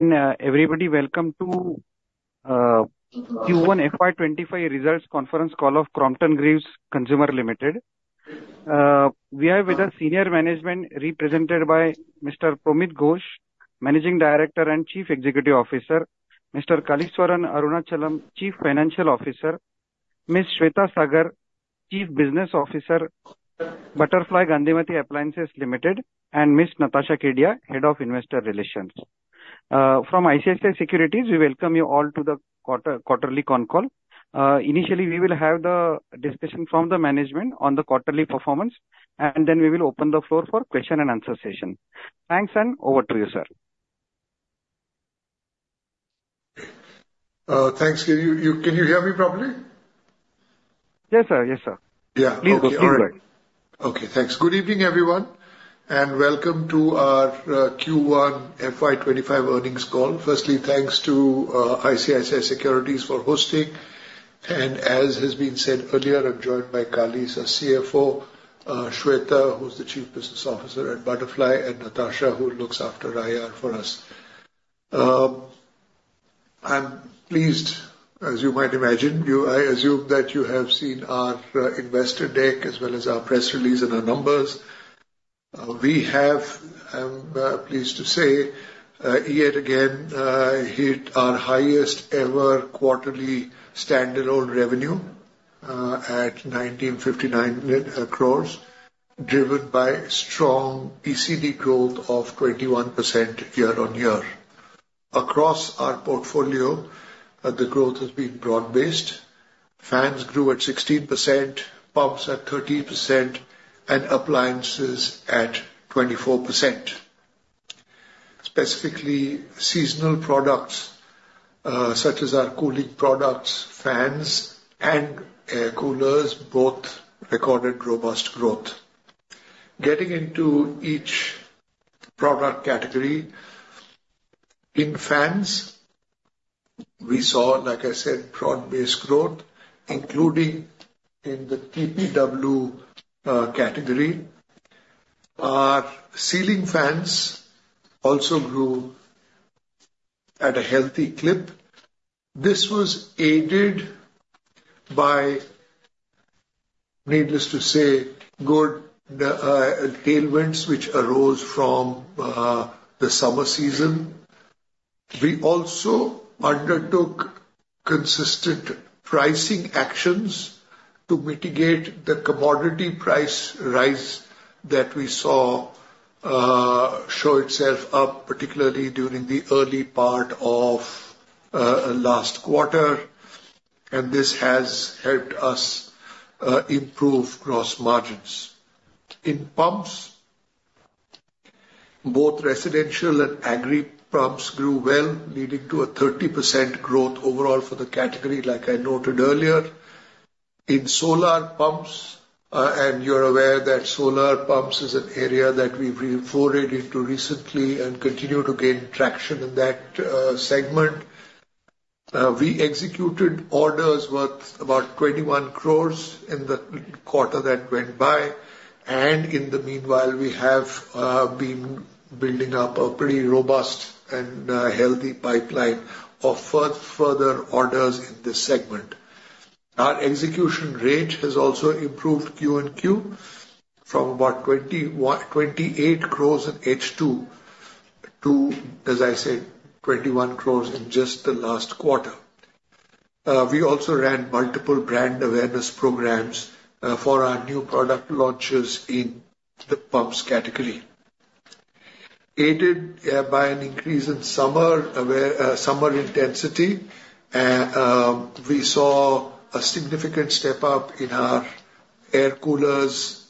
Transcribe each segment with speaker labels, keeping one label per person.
Speaker 1: Everybody, welcome to Q1 FY 2025 Results Conference call of Crompton Greaves Consumer Limited. We are with a senior management represented by Mr. Promeet Ghosh, Managing Director and Chief Executive Officer, Mr. Kaleeswaran Arunachalam, Chief Financial Officer, Ms. Swetha Sagar, Chief Business Officer, Butterfly Gandhimathi Appliances Limited, and Ms. Natasha Kedia, Head of Investor Relations. From ICICI Securities, we welcome you all to the quarterly con call. Initially, we will have the discussion from the management on the quarterly performance, and then we will open the floor for question and answer session. Thanks, and over to you, sir.
Speaker 2: Thanks. Can you hear me properly?
Speaker 1: Yes, sir. Yes, sir.
Speaker 2: Yeah.
Speaker 1: Please go ahead.
Speaker 2: Okay. Thanks. Good evening, everyone, and welcome to our Q1 FY 2025 earnings call. Firstly, thanks to ICICI Securities for hosting. And as has been said earlier, I'm joined by Kalee, CFO; Swetha, who's the Chief Business Officer at Butterfly; and Natasha, who looks after IR for us. I'm pleased, as you might imagine. I assume that you have seen our investor deck as well as our press release and our numbers. We have, I'm pleased to say, yet again hit our highest-ever quarterly standalone revenue at 1,959 crore, driven by strong ECD growth of 21% year-on-year. Across our portfolio, the growth has been broad-based. Fans grew at 16%, pumps at 30%, and appliances at 24%. Specifically, seasonal products such as our cooling products, fans, and air coolers both recorded robust growth. Getting into each product category, in fans, we saw, like I said, broad-based growth, including in the TPW category. Our ceiling fans also grew at a healthy clip. This was aided by, needless to say, good tailwinds which arose from the summer season. We also undertook consistent pricing actions to mitigate the commodity price rise that we saw show up, particularly during the early part of last quarter. This has helped us improve gross margins. In pumps, both residential and agri pumps grew well, leading to a 30% growth overall for the category, like I noted earlier. In solar pumps, and you're aware that solar pumps is an area that we've forayed into recently and continue to gain traction in that segment. We executed orders worth about 21 crore in the quarter that went by. In the meanwhile, we have been building up a pretty robust and healthy pipeline of further orders in this segment. Our execution rate has also improved Q&Q from about 28 crore in H2 to, as I said, 21 crore in just the last quarter. We also ran multiple brand awareness programs for our new product launches in the pumps category. Aided by an increase in summer intensity, we saw a significant step up in our air coolers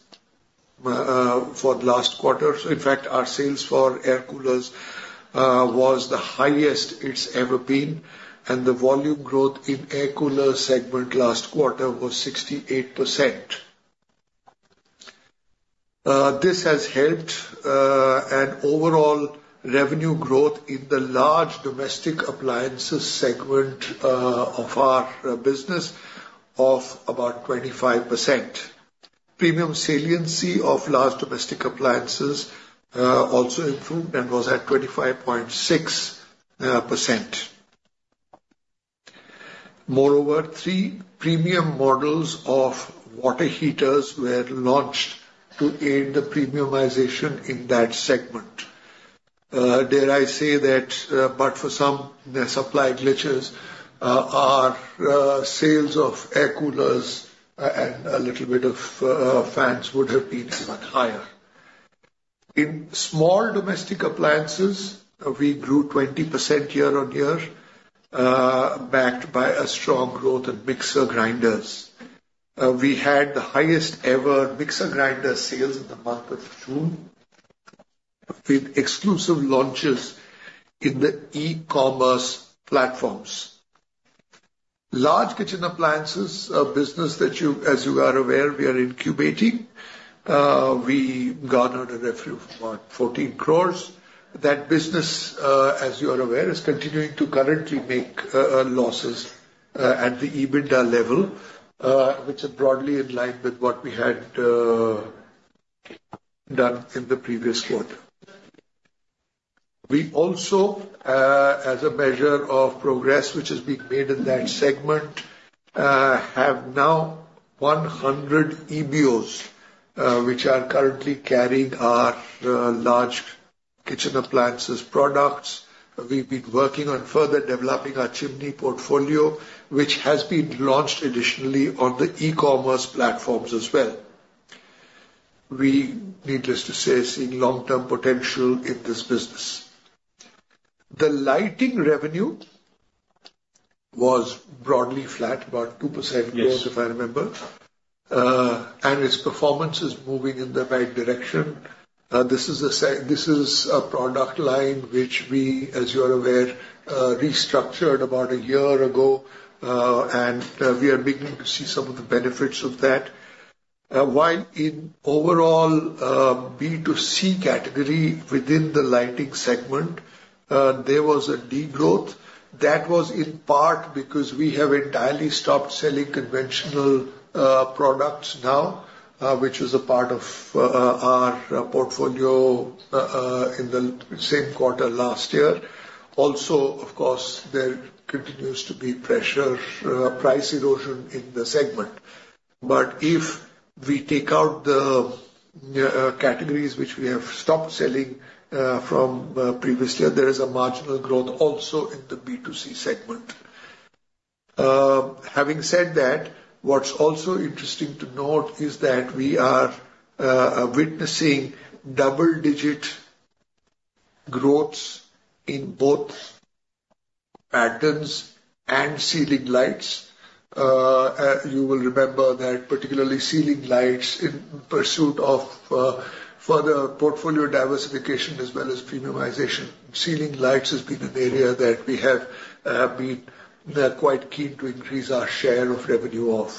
Speaker 2: for the last quarter. In fact, our sales for air coolers was the highest it's ever been. The volume growth in air cooler segment last quarter was 68%. This has helped an overall revenue growth in the large domestic appliances segment of our business of about 25%. Premium saliency of large domestic appliances also improved and was at 25.6%. Moreover, three premium models of water heaters were launched to aid the premiumization in that segment. Dare I say that, but for some supply glitches, our sales of air coolers and a little bit of fans would have been even higher. In small domestic appliances, we grew 20% year-on-year, backed by a strong growth in mixer grinders. We had the highest-ever mixer grinder sales in the month of June with exclusive launches in the e-commerce platforms. Large kitchen appliances business, as you are aware, we are incubating. We garnered a revenue of about 14 crore. That business, as you are aware, is continuing to currently make losses at the EBITDA level, which is broadly in line with what we had done in the previous quarter. We also, as a measure of progress which is being made in that segment, have now 100 EBOs which are currently carrying our large kitchen appliances products. We've been working on further developing our chimney portfolio, which has been launched additionally on the e-commerce platforms as well. We, needless to say, see long-term potential in this business. The lighting revenue was broadly flat, about 2% growth, if I remember. And its performance is moving in the right direction. This is a product line which we, as you are aware, restructured about a year ago. And we are beginning to see some of the benefits of that. While in overall B2C category within the lighting segment, there was a degrowth. That was in part because we have entirely stopped selling conventional products now, which was a part of our portfolio in the same quarter last year. Also, of course, there continues to be pressure, price erosion in the segment. But if we take out the categories which we have stopped selling from previously, there is a marginal growth also in the B2C segment. Having said that, what's also interesting to note is that we are witnessing double-digit growths in both battens and ceiling lights. You will remember that particularly ceiling lights in pursuit of further portfolio diversification as well as premiumization. Ceiling lights has been an area that we have been quite keen to increase our share of revenue of.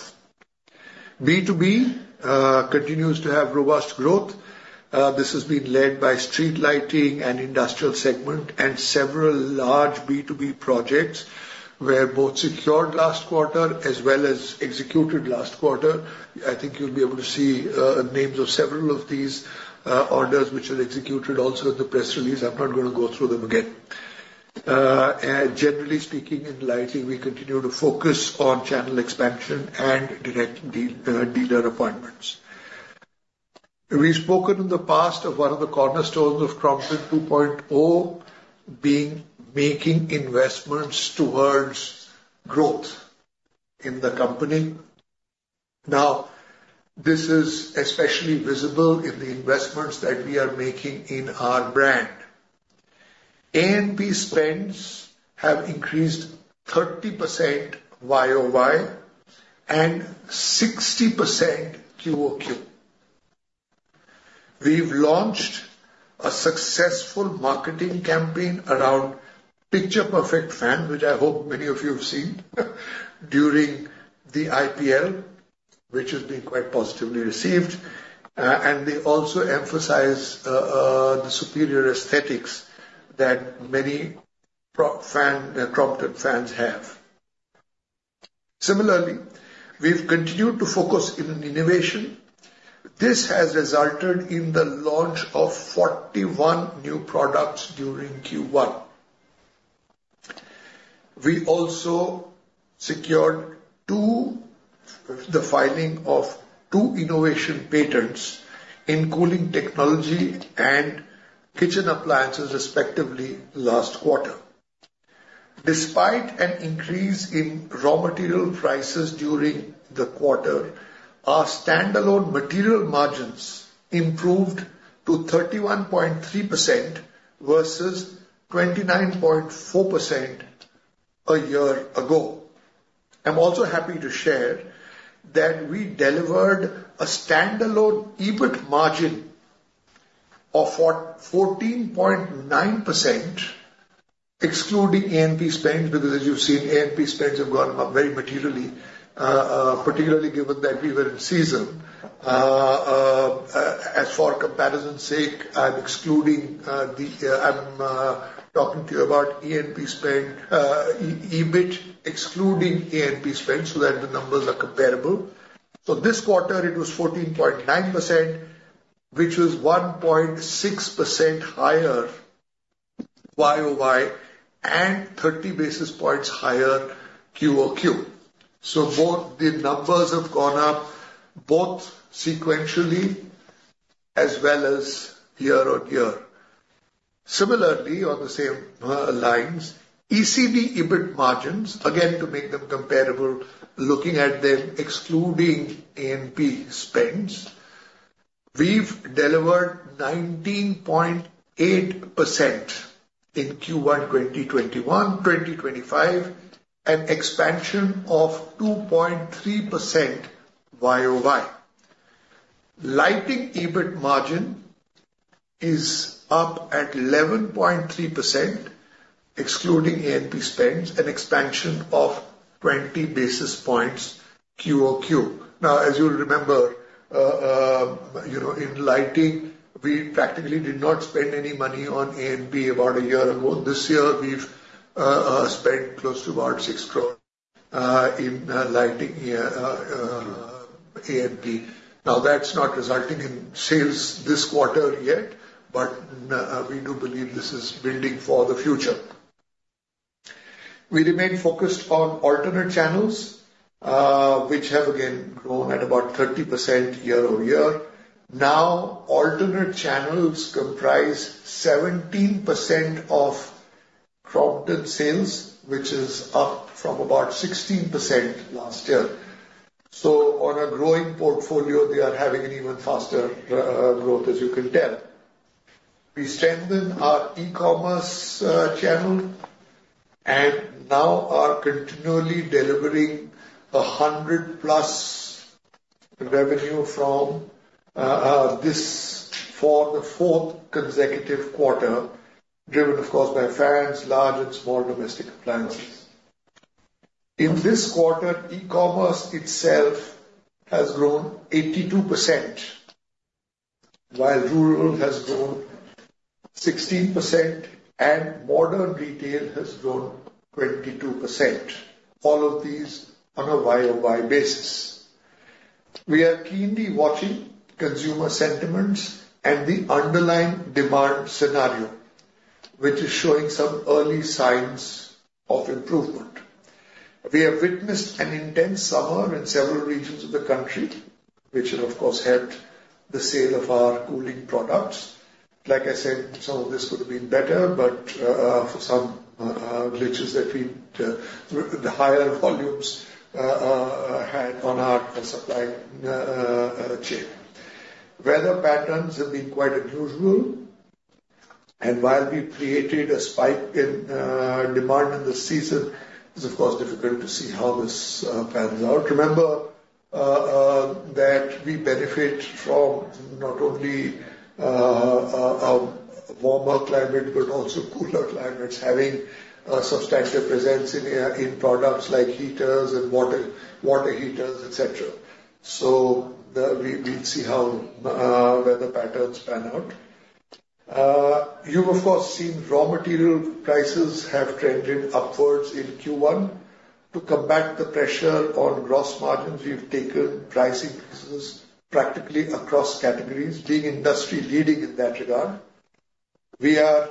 Speaker 2: B2B continues to have robust growth. This has been led by street lighting and industrial segment and several large B2B projects where both secured last quarter as well as executed last quarter. I think you'll be able to see names of several of these orders which are executed also in the press release. I'm not going to go through them again. Generally speaking, in lighting, we continue to focus on channel expansion and direct dealer appointments. We've spoken in the past of one of the cornerstones of Crompton 2.0 being making investments towards growth in the company. Now, this is especially visible in the investments that we are making in our brand. A&P spends have increased 30% YoY and 60% QoQ. We've launched a successful marketing campaign around Picture Perfect fans, which I hope many of you have seen during the IPL, which has been quite positively received. And they also emphasize the superior aesthetics that many Crompton fans have. Similarly, we've continued to focus in innovation. This has resulted in the launch of 41 new products during Q1. We also secured the filing of two innovation patents in cooling technology and kitchen appliances, respectively, last quarter. Despite an increase in raw material prices during the quarter, our standalone material margins improved to 31.3% versus 29.4% a year ago. I'm also happy to share that we delivered a standalone EBIT margin of 14.9%, excluding A&P spend, because as you've seen, A&P spends have gone up very materially, particularly given that we were in season. As for comparison's sake, I'm talking to you about EBIT, excluding A&P spend, so that the numbers are comparable. So this quarter, it was 14.9%, which was 1.6% higher YoY and 30 basis points higher QoQ. So both the numbers have gone up both sequentially as well as year-on-year. Similarly, on the same lines, ECD EBIT margins, again, to make them comparable, looking at them, excluding A&P spends, we've delivered 19.8% in Q1 2021-2025, an expansion of 2.3% YoY. Lighting EBIT margin is up at 11.3%, excluding A&P spends, an expansion of 20 basis points QoQ. Now, as you'll remember, in lighting, we practically did not spend any money on A&P about a year ago. This year, we've spent close to about 6 crore in lighting A&P. Now, that's not resulting in sales this quarter yet, but we do believe this is building for the future. We remain focused on alternate channels, which have, again, grown at about 30% year-on-year. Now, alternate channels comprise 17% of Crompton sales, which is up from about 16% last year. So on a growing portfolio, they are having an even faster growth, as you can tell. We strengthen our e-commerce channel, and now are continually delivering 100+ crore revenue from this for the fourth consecutive quarter, driven, of course, by fans, large and small domestic appliances. In this quarter, e-commerce itself has grown 82%, while rural has grown 16%, and modern retail has grown 22%. All of these on a YoY basis. We are keenly watching consumer sentiments and the underlying demand scenario, which is showing some early signs of improvement. We have witnessed an intense summer in several regions of the country, which has, of course, helped the sale of our cooling products. Like I said, some of this could have been better, but for some glitches that the higher volumes had on our supply chain. Weather patterns have been quite unusual. And while we've created a spike in demand in the season, it's, of course, difficult to see how this pans out. Remember that we benefit from not only a warmer climate but also cooler climates, having a substantial presence in products like heaters and water heaters, etc. So we'll see how weather patterns pan out. You've, of course, seen raw material prices have trended upwards in Q1. To combat the pressure on gross margins, we've taken pricing increases practically across categories, being industry-leading in that regard. We are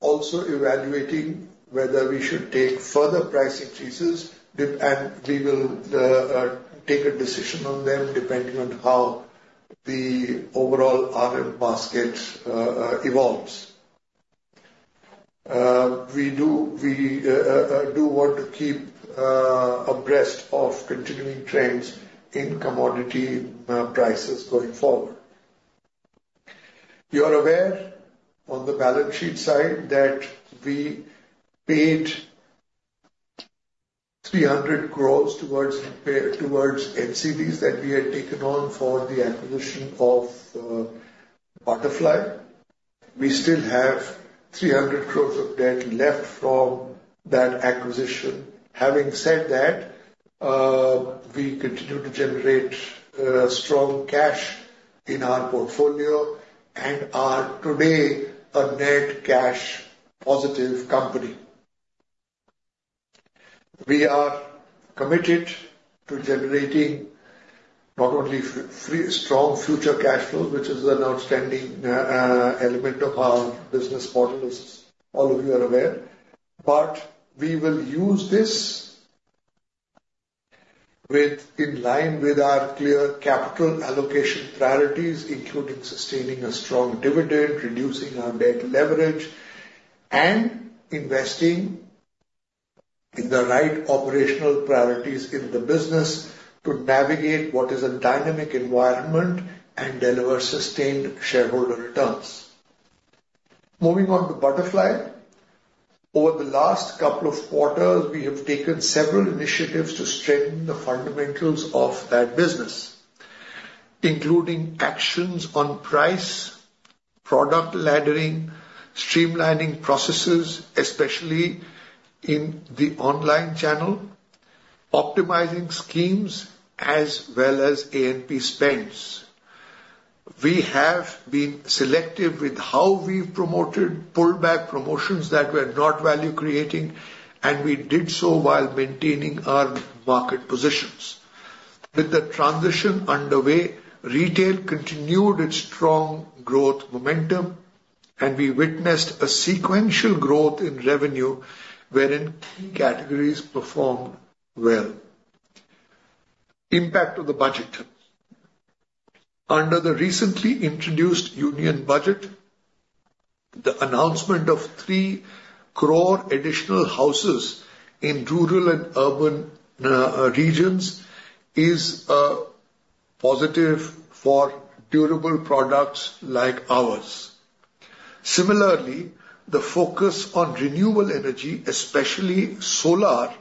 Speaker 2: also evaluating whether we should take further price increases, and we will take a decision on them depending on how the overall RM basket evolves. We do want to keep abreast of continuing trends in commodity prices going forward. You are aware, on the balance sheet side, that we paid 300 crore towards NCDs that we had taken on for the acquisition of Butterfly. We still have 300 crore of debt left from that acquisition. Having said that, we continue to generate strong cash in our portfolio and are today a net cash-positive company. We are committed to generating not only strong future cash flows, which is an outstanding element of our business model, as all of you are aware, but we will use this in line with our clear capital allocation priorities, including sustaining a strong dividend, reducing our debt leverage, and investing in the right operational priorities in the business to navigate what is a dynamic environment and deliver sustained shareholder returns. Moving on to Butterfly. Over the last couple of quarters, we have taken several initiatives to strengthen the fundamentals of that business, including actions on price, product laddering, streamlining processes, especially in the online channel, optimizing schemes as well as A&P spends. We have been selective with how we've promoted pullback promotions that were not value-creating, and we did so while maintaining our market positions. With the transition underway, retail continued its strong growth momentum, and we witnessed a sequential growth in revenue wherein key categories performed well. Impact of the budget. Under the recently introduced Union Budget, the announcement of 3 crore additional houses in rural and urban regions is positive for durable products like ours. Similarly, the focus on renewable energy, especially solar,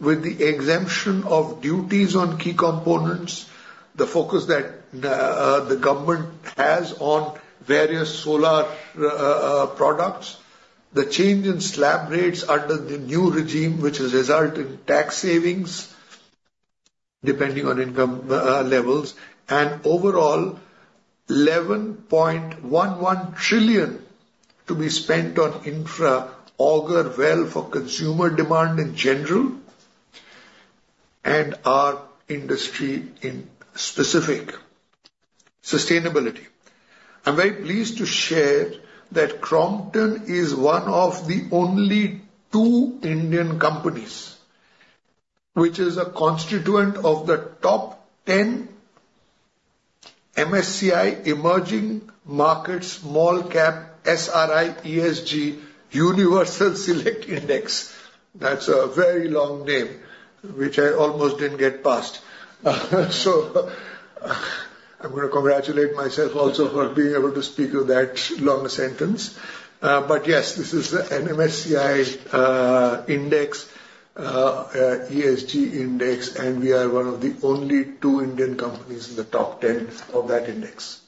Speaker 2: with the exemption of duties on key components, the focus that the government has on various solar products, the change in slab rates under the new regime, which has resulted in tax savings depending on income levels, and overall, 11.11 trillion to be spent on infra augur well for consumer demand in general and our industry in specific. Sustainability. I'm very pleased to share that Crompton is one of the only two Indian companies which is a constituent of the top 10 MSCI Emerging Markets Small Cap Select SRI Universal Index. That's a very long name, which I almost didn't get past. So I'm going to congratulate myself also for being able to speak with that long sentence. But yes, this is the MSCI ESG Index, and we are one of the only two Indian companies in the top 10 of that index.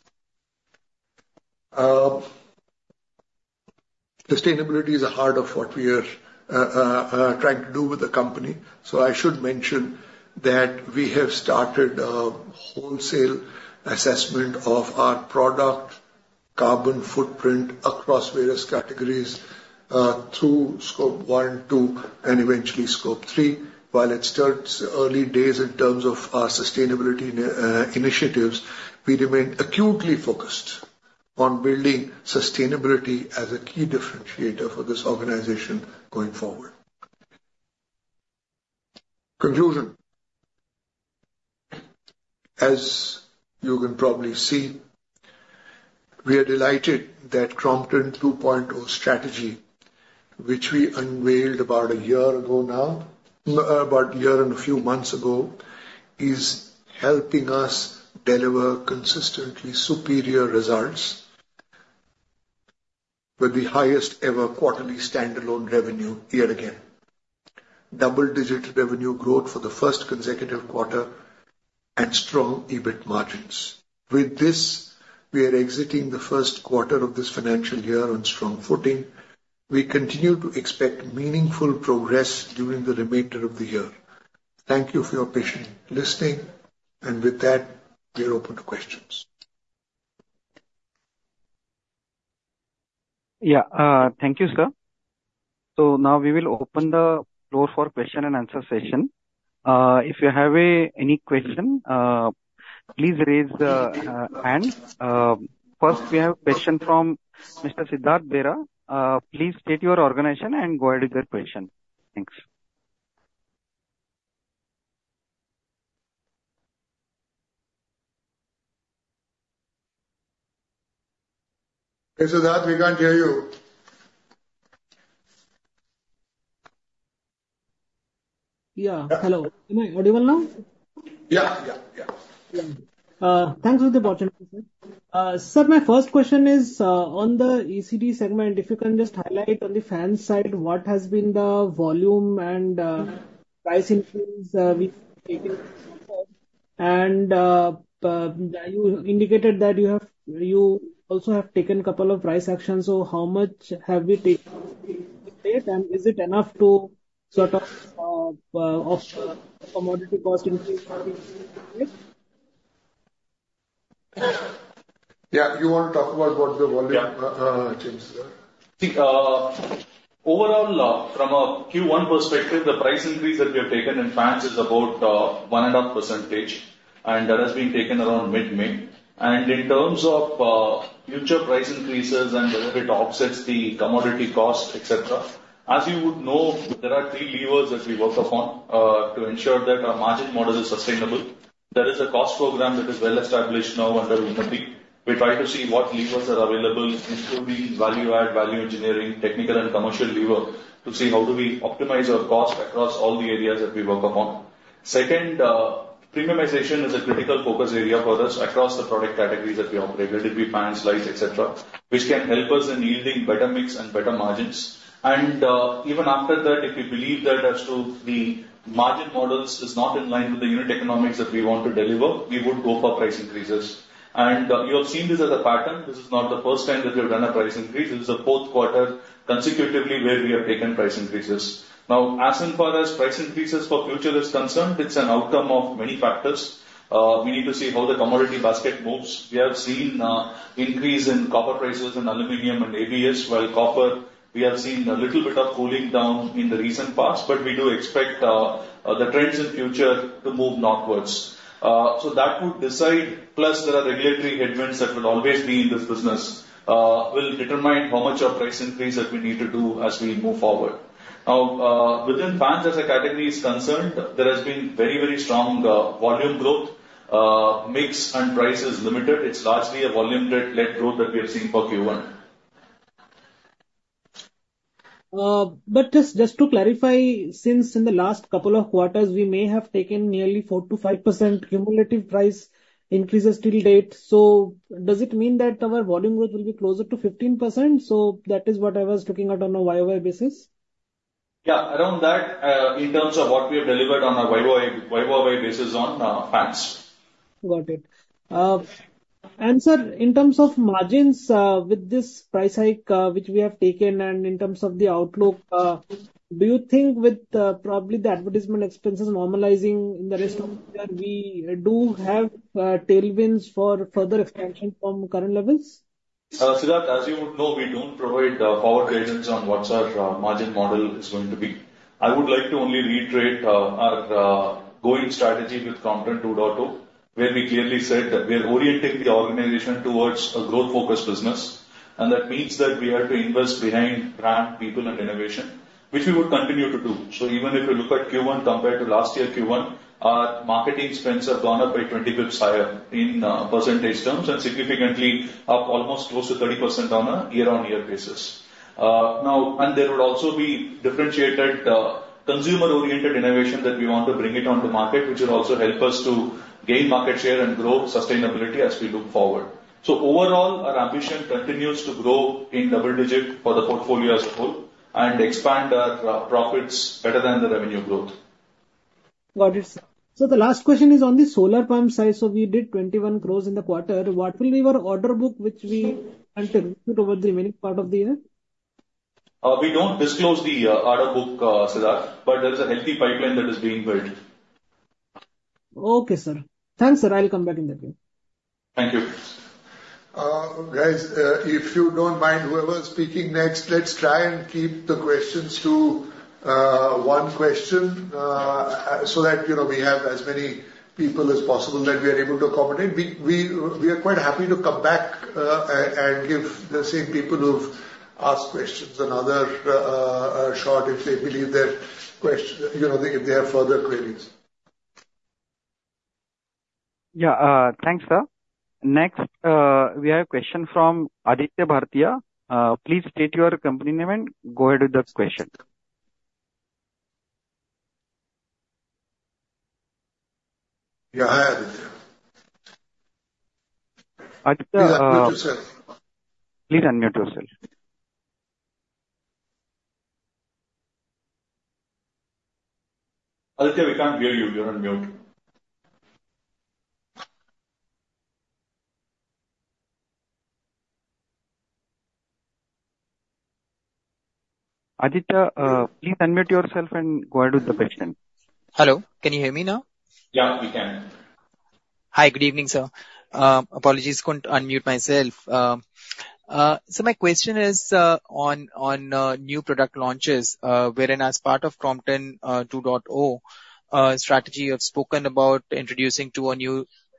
Speaker 2: Sustainability is the heart of what we are trying to do with the company. So I should mention that we have started a wholesale assessment of our product carbon footprint across various categories through Scope 1, Scope 2, and eventually Scope 3. While it's still early days in terms of our sustainability initiatives, we remain acutely focused on building sustainability as a key differentiator for this organization going forward. Conclusion. As you can probably see, we are delighted that Crompton 2.0 strategy, which we unveiled about a year ago now, about a year and a few months ago, is helping us deliver consistently superior results with the highest-ever quarterly standalone revenue year-to-date. Double-digit revenue growth for the first consecutive quarter and strong EBIT margins. With this, we are exiting the first quarter of this financial year on strong footing. We continue to expect meaningful progress during the remainder of the year. Thank you for your patient listening. And with that, we are open to questions. Yeah.
Speaker 1: Thank you, sir. So now we will open the floor for question and answer session. If you have any question, please raise your hand. First, we have a question from Mr. Siddhartha Bera. Please state your organization and go ahead with your question. Thanks.
Speaker 2: Hey, Siddharth, we can't hear you.
Speaker 3: Yeah. Hello. Am I audible now?
Speaker 2: Yeah. Yeah. Yeah.
Speaker 3: Thanks for the opportunity. Sir, my first question is on the ECD segment. If you can just highlight on the fans side, what has been the volume and price increase we've taken? And you indicated that you also have taken a couple of price actions. So how much have we taken on it? And is it enough to sort of offset commodity cost increase?
Speaker 2: Yeah. You want to talk about what the volume changes are?
Speaker 4: Overall, from a Q1 perspective, the price increase that we have taken in fans is about 1.5%, and that has been taken around mid-May. In terms of future price increases and whether it offsets the commodity cost, etc., as you would know, there are three levers that we work upon to ensure that our margin model is sustainable. There is a cost program that is well-established now under Unnati. We try to see what levers are available, including value-add, value engineering, technical, and commercial lever to see how do we optimize our cost across all the areas that we work upon. Second, premiumization is a critical focus area for us across the product categories that we operate: Let it be fans, lighting, etc., which can help us in yielding better mix and better margins. And even after that, if we believe that as to the margin models is not in line with the unit economics that we want to deliver, we would go for price increases. And you have seen this as a pattern. This is not the first time that we have done a price increase. This is the fourth quarter consecutively where we have taken price increases. Now, as far as price increases for future is concerned, it's an outcome of many factors. We need to see how the commodity basket moves. We have seen an increase in copper prices and aluminum and ABS, while copper, we have seen a little bit of cooling down in the recent past, but we do expect the trends in future to move northwards. So that would decide, plus there are regulatory headwinds that will always be in this business, will determine how much of price increase that we need to do as we move forward. Now, within fans as a category is concerned, there has been very, very strong volume growth. Mix and price is limited. It's largely a volume-led growth that we have seen for Q1.
Speaker 3: But just to clarify, since in the last couple of quarters, we may have taken nearly 4%-5% cumulative price increases till date. So does it mean that our volume growth will be closer to 15%? So that is what I was looking at on a YoY basis.
Speaker 4: Yeah, around that, in terms of what we have delivered on a YoY basis on FANS.
Speaker 3: Got it. And sir, in terms of margins with this price hike which we have taken and in terms of the outlook, do you think with probably the advertisement expenses normalizing in the rest of the year, we do have tailwinds for further expansion from current levels?
Speaker 4: Siddhartha, as you would know, we don't provide forward guidance on what our margin model is going to be. I would like to only reiterate our going strategy with Crompton 2.0, where we clearly said that we are orienting the organization towards a growth-focused business. That means that we have to invest behind brand, people, and innovation, which we will continue to do. Even if you look at Q1 compared to last year Q1, our marketing spends have gone up by 20 bps higher in percentage terms and significantly up almost close to 30% on a year-on-year basis. Now, there would also be differentiated consumer-oriented innovation that we want to bring on the market, which will also help us to gain market share and grow sustainability as we look forward. Overall, our ambition continues to grow in double digit for the portfolio as a whole and expand our profits better than the revenue growth.
Speaker 3: Got it, sir. So the last question is on the solar pump side. So we did 21% growth in the quarter. What will be our order book which we can disclose over the remaining part of the year?
Speaker 4: We don't disclose the order book, Siddhartha, but there is a healthy pipeline that is being built.
Speaker 3: Okay, sir. Thanks, sir. I'll come back in that way.
Speaker 4: Thank you.
Speaker 2: Guys, if you don't mind, whoever is speaking next, let's try and keep the questions to one question so that we have as many people as possible that we are able to accommodate. We are quite happy to come back and give the same people who've asked questions another shot if they believe that if they have further queries.
Speaker 1: Yeah. Thanks, sir. Next, we have a question from Aditya Bhartia. Please state your company name and go ahead with the question.
Speaker 2: Yeah, hi, Aditya. Aditya, unmute yourself.
Speaker 1: Please unmute yourself.
Speaker 4: Aditya, we can't hear you. You're unmuted.
Speaker 1: Aditya, please unmute yourself and go ahead with the question.
Speaker 5: Hello. Can you hear me now? Yeah, we can. Hi, good evening, sir. Apologies. Couldn't unmute myself. So my question is on new product launches wherein as part of Crompton 2.0 strategy, you have spoken about introducing two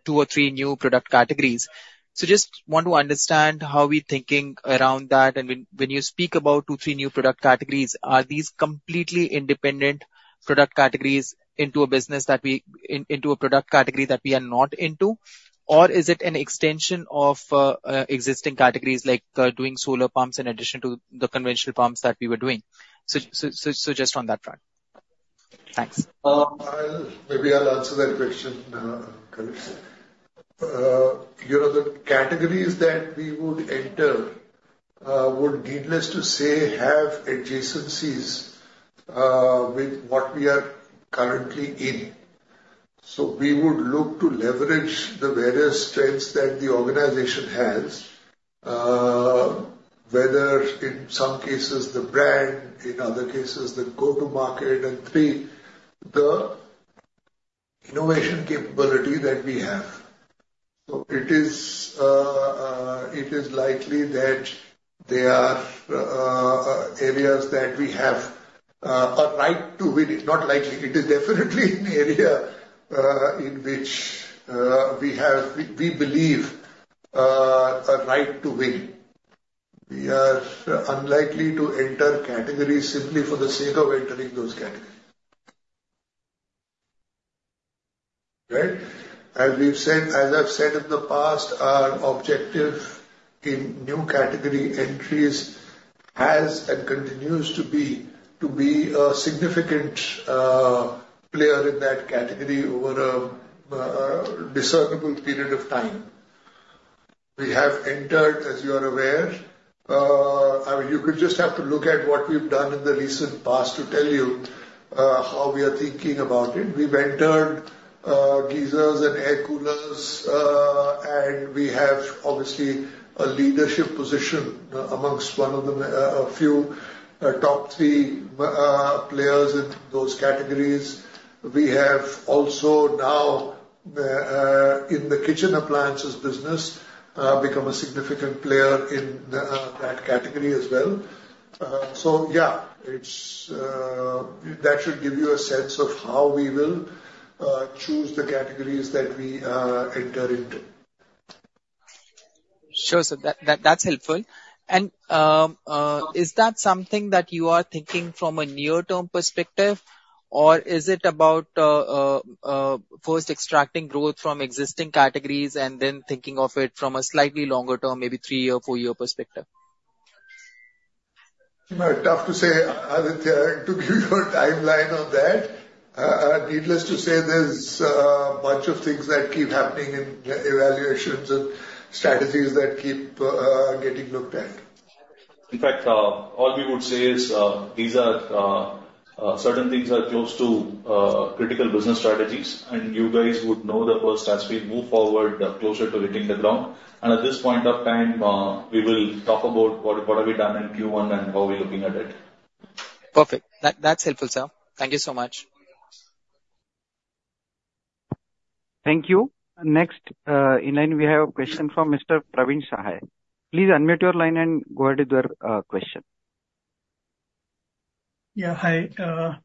Speaker 5: or three new product categories. So just want to understand how we're thinking around that. And when you speak about two or three new product categories, are these completely independent product categories into a business that we into a product category that we are not into, or is it an extension of existing categories like doing solar pumps in addition to the conventional pumps that we were doing? So just on that front. Thanks.
Speaker 2: Maybe I'll answer that question, colleagues. The categories that we would enter would, needless to say, have adjacencies with what we are currently in. So we would look to leverage the various strengths that the organization has, whether in some cases the brand, in other cases the go-to-market, and three, the innovation capability that we have. So it is likely that they are areas that we have a right to win. Not likely. It is definitely an area in which we believe a right to win. We are unlikely to enter categories simply for the sake of entering those categories. Right? As I've said in the past, our objective in new category entries has and continues to be to be a significant player in that category over a discernible period of time. We have entered, as you are aware. I mean, you could just have to look at what we've done in the recent past to tell you how we are thinking about it. We've entered geysers and air coolers, and we have obviously a leadership position amongst one of the few top three players in those categories. We have also now, in the kitchen appliances business, become a significant player in that category as well. So yeah, that should give you a sense of how we will choose the categories that we enter into.
Speaker 5: Sure, sir. That's helpful. And is that something that you are thinking from a near-term perspective, or is it about first extracting growth from existing categories and then thinking of it from a slightly longer term, maybe three or four-year perspective?
Speaker 2: Tough to say, Aditya, to give you a timeline on that. Needless to say, there's a bunch of things that keep happening in evaluations and strategies that keep getting looked at.
Speaker 4: In fact, all we would say is these are certain things are close to critical business strategies, and you guys would know the first as we move forward closer to hitting the ground. And at this point of time, we will talk about what have we done in Q1 and how we're looking at it.
Speaker 5: Perfect. That's helpful, sir. Thank you so much.
Speaker 1: Thank you. Next, in line, we have a question from Mr. Praveen Sahay. Please unmute your line and go ahead with your question.
Speaker 6: Yeah. Hi,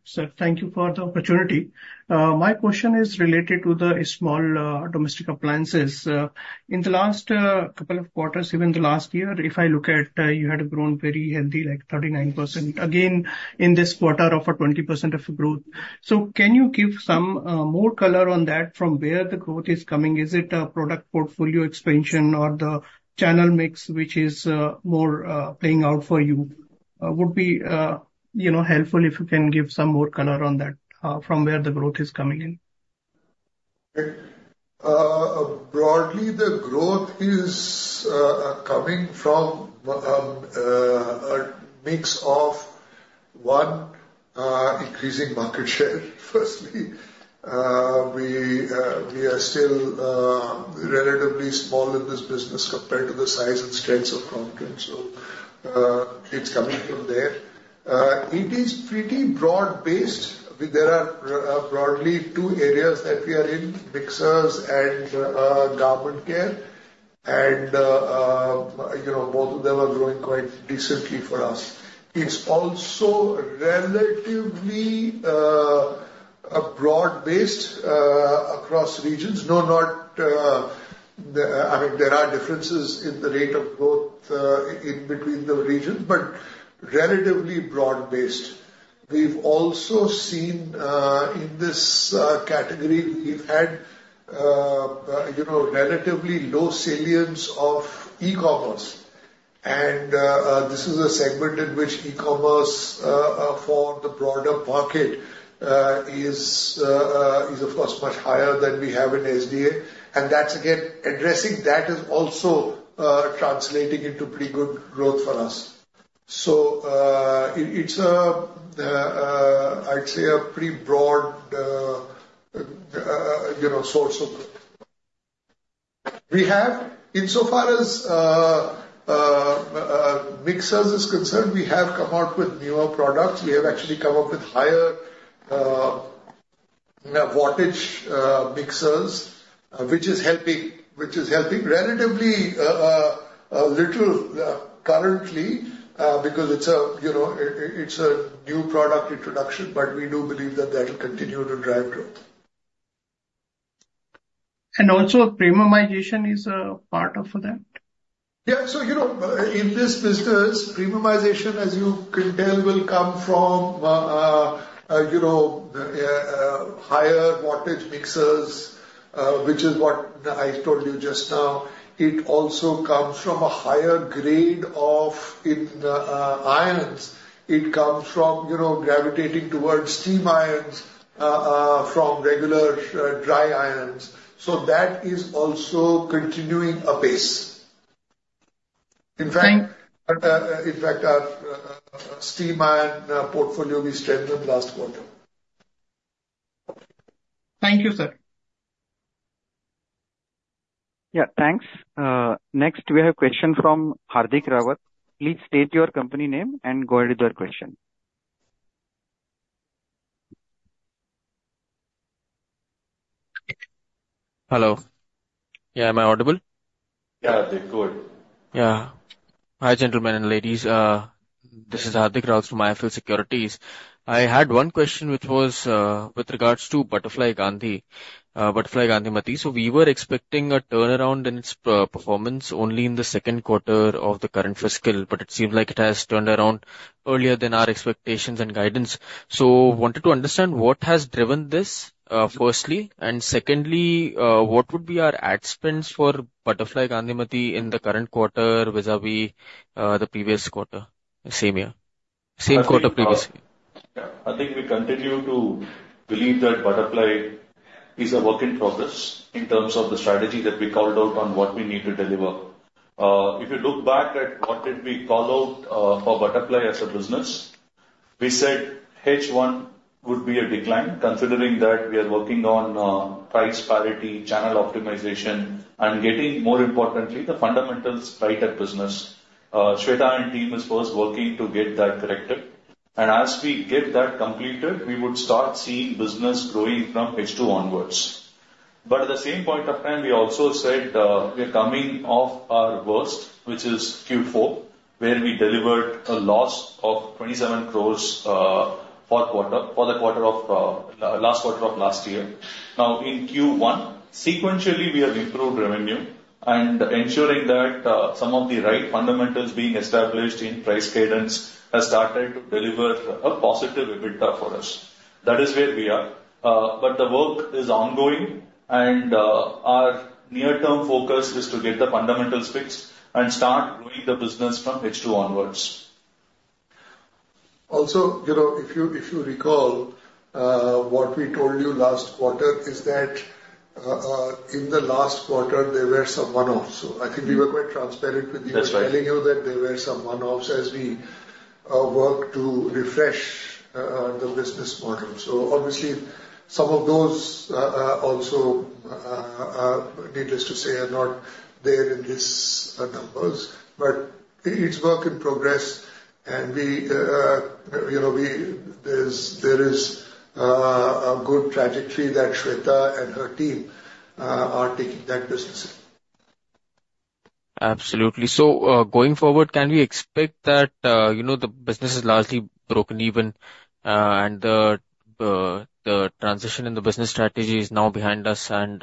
Speaker 6: sir. Thank you for the opportunity. My question is related to the small domestic appliances. In the last couple of quarters, even the last year, if I look at, you had grown very healthy, like 39%. Again, in this quarter, offer 20% of growth. So can you give some more color on that from where the growth is coming? Is it a product portfolio expansion or the channel mix which is more playing out for you? Would be helpful if you can give some more color on that from where the growth is coming in.
Speaker 2: Right. Broadly, the growth is coming from a mix of, one, increasing market share. Firstly, we are still relatively small in this business compared to the size and strength of Crompton. So it's coming from there. It is pretty broad-based. There are broadly two areas that we are in: mixers and garment care. And both of them are growing quite decently for us. It's also relatively broad-based across regions. No, not I mean, there are differences in the rate of growth in between the regions, but relatively broad-based. We've also seen in this category, we've had relatively low salience of e-commerce. And this is a segment in which e-commerce for the broader market is, of course, much higher than we have in SDA. And that's, again, addressing that is also translating into pretty good growth for us. So it's, I'd say, a pretty broad source of growth. Insofar as mixers is concerned, we have come out with newer products. We have actually come up with higher wattage mixers, which is helping relatively little currently because it's a new product introduction, but we do believe that that will continue to drive growth.
Speaker 6: And also, premiumization is a part of that?
Speaker 2: Yeah. So in this business, premiumization, as you can tell, will come from higher wattage mixers, which is what I told you just now. It also comes from a higher grade of irons. It comes from gravitating towards steam irons from regular dry irons. So that is also continuing a pace. In fact, our steam iron portfolio, we strengthened last quarter.
Speaker 6: Thank you, sir.
Speaker 1: Yeah. Thanks. Next, we have a question from Hardik Rawat. Please state your company name and go ahead with your question.
Speaker 7: Hello. Yeah. Am I audible? Yeah, Aditya. Good. Yeah. Hi, gentlemen and ladies. This is Hardik Rawat from IIFL Securities. I had one question which was with regards to Butterfly Gandhimathi, Butterfly Gandhimathi. So we were expecting a turnaround in its performance only in the second quarter of the current fiscal, but it seems like it has turned around earlier than our expectations and guidance. So wanted to understand what has driven this firstly. And secondly, what would be our ad spends for Butterfly Gandhimathi in the current quarter vis-à-vis the previous quarter, same year, same quarter previously?
Speaker 4: I think we continue to believe that Butterfly is a work in progress in terms of the strategy that we called out on what we need to deliver. If you look back at what did we call out for Butterfly as a business, we said H1 would be a decline considering that we are working on price parity, channel optimization, and getting, more importantly, the fundamentals right at business. Swetha and team is first working to get that corrected. And as we get that completed, we would start seeing business growing from H2 onwards. But at the same point of time, we also said we are coming off our worst, which is Q4, where we delivered a loss of 27 crore for the last quarter of last year. Now, in Q1, sequentially, we have improved revenue. And ensuring that some of the right fundamentals being established in price cadence has started to deliver a positive EBITDA for us. That is where we are. But the work is ongoing. And our near-term focus is to get the fundamentals fixed and start growing the business from H2 onwards.
Speaker 2: Also, if you recall what we told you last quarter, is that in the last quarter, there were some one-offs. So I think we were quite transparent with you in telling you that there were some one-offs as we worked to refresh the business model. So obviously, some of those also needless to say are not there in these numbers. But it's work in progress. And there is a good trajectory that Swetha and her team are taking that business in.
Speaker 7: Absolutely. So going forward, can we expect that the business is largely broken even and the transition in the business strategy is now behind us, and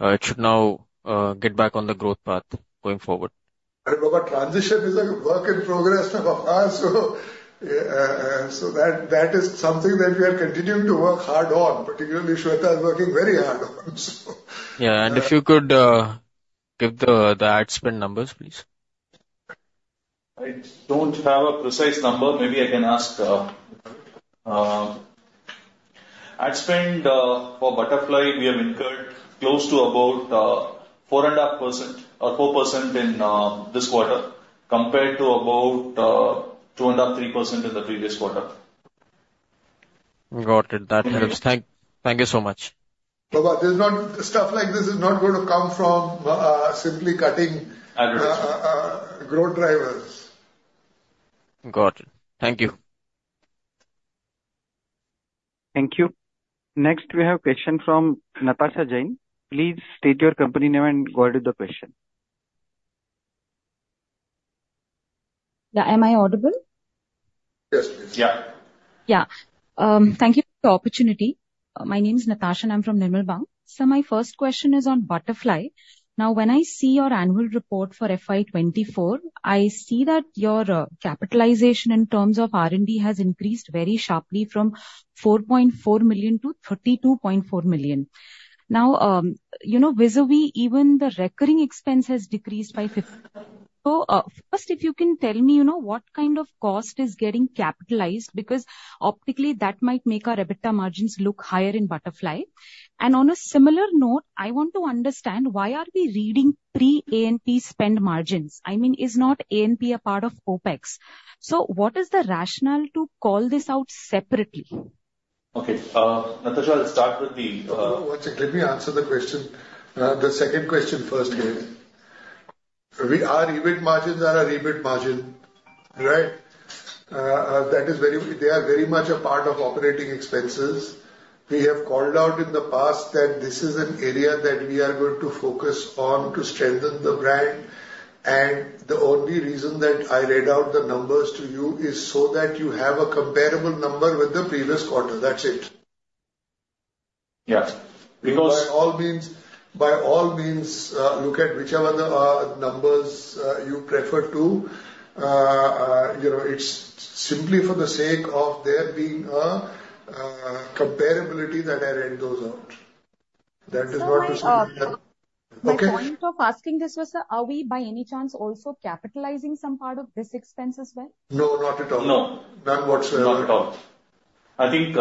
Speaker 7: it should now get back on the growth path going forward?
Speaker 2: I mean, look, a transition is a work in progress for us. So that is something that we are continuing to work hard on, particularly Swetha is working very hard on.
Speaker 7: Yeah. And if you could give the ad spend numbers, please.
Speaker 4: I don't have a precise number. Maybe I can ask. Ad spend for Butterfly, we have incurred close to about 4.5% or 4% in this quarter compared to about 2.5%, 3% in the previous quarter.
Speaker 7: Got it. That helps. Thank you so much.
Speaker 2: There's not stuff like this is not going to come from simply cutting growth drivers.
Speaker 7: Got it. Thank you.
Speaker 1: Thank you. Next, we have a question from Natasha Jain. Please state your company name and go ahead with the question.
Speaker 8: Yeah. Am I audible?
Speaker 2: Yes, please.
Speaker 4: Yeah.
Speaker 8: Yeah. Thank you for the opportunity. My name is Natasha, and I'm from Nirmal Bang. So my first question is on Butterfly. Now, when I see your annual report for FY 2024, I see that your capitalization in terms of R&D has increased very sharply from 4.4 million to 32.4 million. Now, vis-à-vis, even the recurring expense has decreased by 50%. So first, if you can tell me what kind of cost is getting capitalized because optically, that might make our EBITDA margins look higher in Butterfly. On a similar note, I want to understand why are we reading pre-A&P spend margins? I mean, is not A&P a part of OpEx? So what is the rationale to call this out separately?
Speaker 4: Okay. Natasha, I'll start with the. No, no.
Speaker 2: Let me answer the question. The second question first here. Our EBIT margins are our EBIT margin, right? They are very much a part of operating expenses. We have called out in the past that this is an area that we are going to focus on to strengthen the brand. And the only reason that I read out the numbers to you is so that you have a comparable number with the previous quarter. That's it. Yeah. Because by all means, look at whichever numbers you prefer to. It's simply for the sake of there being a comparability that I read those out. That is what we're saying. Okay?
Speaker 8: The point of asking this was, are we by any chance also capitalizing some part of this expense as well?
Speaker 2: No, not at all.
Speaker 4: No.
Speaker 2: Not whatsoever.
Speaker 4: Not at all. I think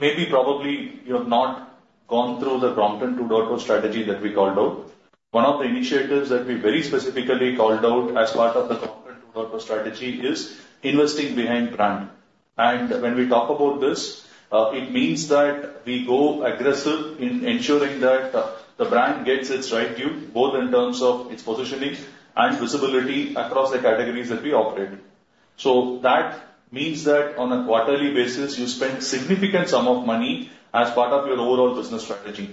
Speaker 4: maybe probably you have not gone through the Crompton 2.0 strategy that we called out. One of the initiatives that we very specifically called out as part of the Crompton 2.0 strategy is investing behind brand. And when we talk about this, it means that we go aggressive in ensuring that the brand gets its right view, both in terms of its positioning and visibility across the categories that we operate. So that means that on a quarterly basis, you spend a significant sum of money as part of your overall business strategy.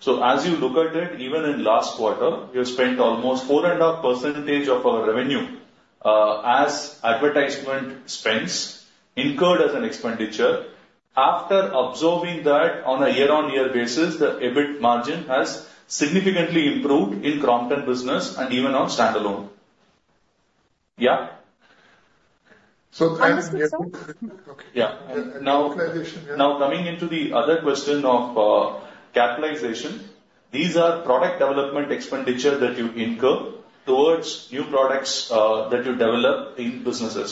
Speaker 4: So as you look at it, even in last quarter, we have spent almost 4.5% of our revenue as advertisement spends incurred as an expenditure. After absorbing that on a year-on-year basis, the EBIT margin has significantly improved in Crompton business and even on standalone. Yeah? So that is. Okay. Yeah. Now, coming into the other question of capitalization, these are product development expenditure that you incur towards new products that you develop in businesses.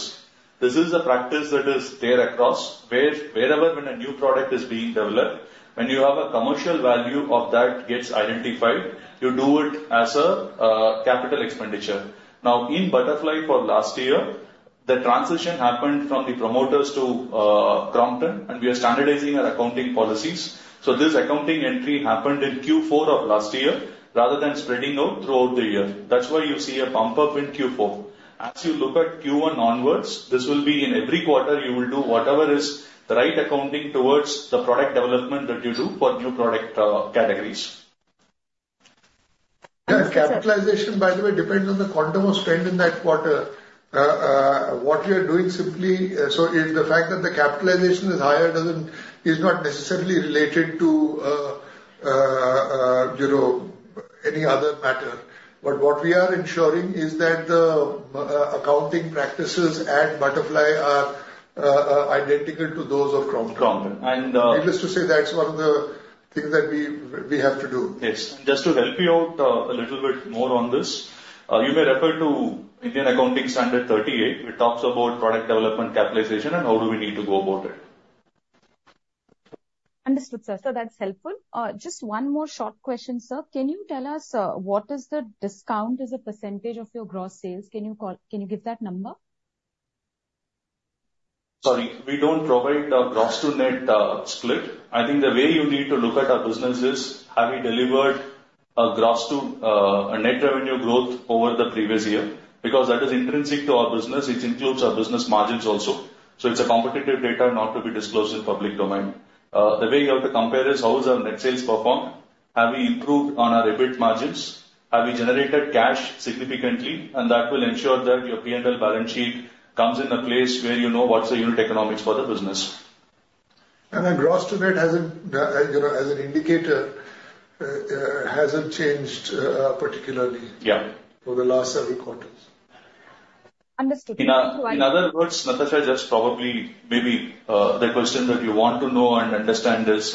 Speaker 4: This is a practice that is there across wherever when a new product is being developed, when you have a commercial value of that gets identified, you do it as a capital expenditure. Now, in Butterfly for last year, the transition happened from the promoters to Crompton, and we are standardizing our accounting policies. So this accounting entry happened in Q4 of last year rather than spreading out throughout the year. That's why you see a bump up in Q4. As you look at Q1 onwards, this will be in every quarter. You will do whatever is the right accounting towards the product development that you do for new product categories.
Speaker 2: Capitalization, by the way, depends on the quantum of spend in that quarter. What we are doing simply so the fact that the capitalization is higher is not necessarily related to any other matter. But what we are ensuring is that the accounting practices at Butterfly are identical to those of Crompton. Crompton. And needless to say, that's one of the things that we have to do.
Speaker 4: Yes. And just to help you out a little bit more on this, you may refer to Indian Accounting Standard 38. It talks about product development capitalization and how do we need to go about it.
Speaker 8: Understood, sir. So that's helpful. Just one more short question, sir. Can you tell us what is the discount as a percentage of your gross sales? Can you give that number?
Speaker 4: Sorry. We don't provide a gross-to-net split. I think the way you need to look at our business is, have we delivered a gross-to-net revenue growth over the previous year? Because that is intrinsic to our business. It includes our business margins also. So it's a competitive data not to be disclosed in public domain. The way you have to compare is how has our net sales performed? Have we improved on our EBIT margins? Have we generated cash significantly? And that will ensure that your P&L balance sheet comes in a place where you know what's the unit economics for the business.
Speaker 2: And the gross-to-net as an indicator hasn't changed particularly for the last several quarters.
Speaker 8: Understood.
Speaker 4: In other words, Natasha, just probably maybe the question that you want to know and understand is,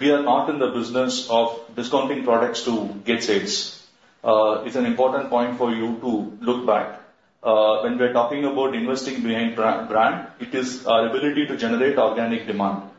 Speaker 4: we are not in the business of discounting products to get sales. It's an important point for you to look back. When we are talking about investing behind brand, it is our ability to generate organic demand.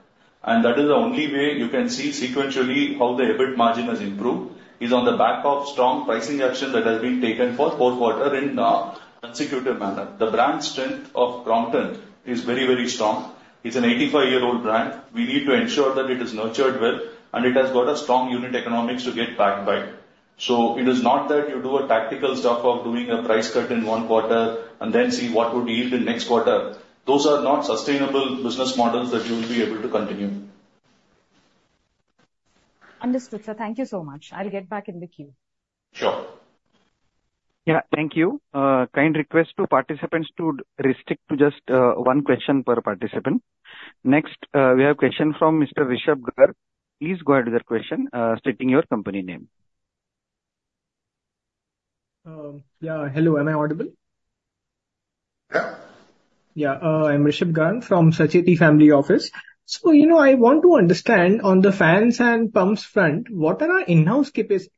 Speaker 4: And that is the only way you can see sequentially how the EBIT margin has improved is on the back of strong pricing action that has been taken for four quarters in a consecutive manner. The brand strength of Crompton is very, very strong. It's an 85-year-old brand. We need to ensure that it is nurtured well, and it has got a strong unit economics to get back by. So it is not that you do a tactical stuff of doing a price cut in one quarter and then see what would yield in next quarter. Those are not sustainable business models that you will be able to continue.
Speaker 8: Understood, sir. Thank you so much. I'll get back in the queue.
Speaker 4: Sure.
Speaker 1: Yeah. Thank you. Kind request to participants to restrict to just one question per participant. Next, we have a question from Mr. Rishabh Garg. Please go ahead with your question, stating your company name.
Speaker 9: Yeah. Hello. Am I audible? Yeah. Yeah. I'm Rishabh Garg from Sancheti Family Office. So I want to understand on the fans and pumps front, what are our in-house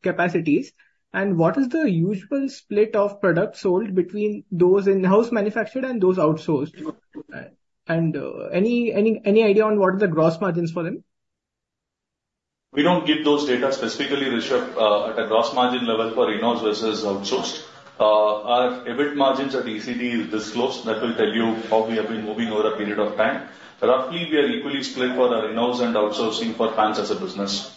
Speaker 9: capacities and what is the usual split of products sold between those in-house manufactured and those outsourced? And any idea on what are the gross margins for them?
Speaker 4: We don't give those data specifically, Rishabh, at a gross margin level for in-house versus outsourced. Our EBIT margins at ECD is this close. That will tell you how we have been moving over a period of time. Roughly, we are equally split for our in-house and outsourcing for fans as a business.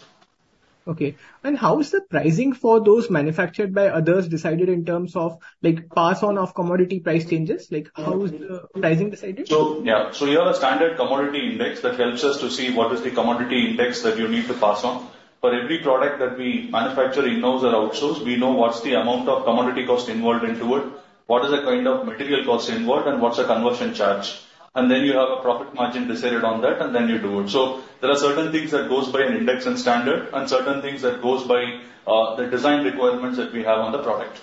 Speaker 9: Okay. And how is the pricing for those manufactured by others decided in terms of pass-on of commodity price changes? How is the pricing decided?
Speaker 4: So yeah. So we have a standard commodity index that helps us to see what is the commodity index that you need to pass on. For every product that we manufacture in-house or outsourced, we know what's the amount of commodity cost involved into it, what is the kind of material cost involved, and what's the conversion charge. And then you have a profit margin decided on that, and then you do it. So there are certain things that go by an index and standard and certain things that go by the design requirements that we have on the product.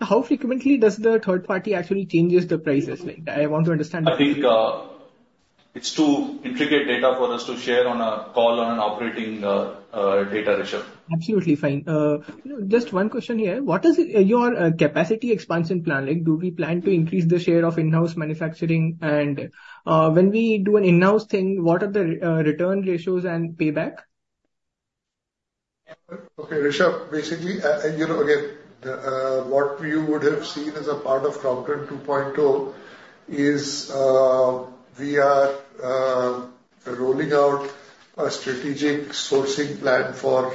Speaker 9: How frequently does the third party actually change the prices? I want to understand that.
Speaker 4: I think it's too intricate data for us to share on a call on an operating data, Rishabh.
Speaker 9: Absolutely fine. Just one question here. What is your capacity expansion plan? Do we plan to increase the share of in-house manufacturing? And when we do an in-house thing, what are the return ratios and payback?
Speaker 2: Okay. Rishabh, basically, again, what you would have seen as a part of Crompton 2.0 is we are rolling out a strategic sourcing plan for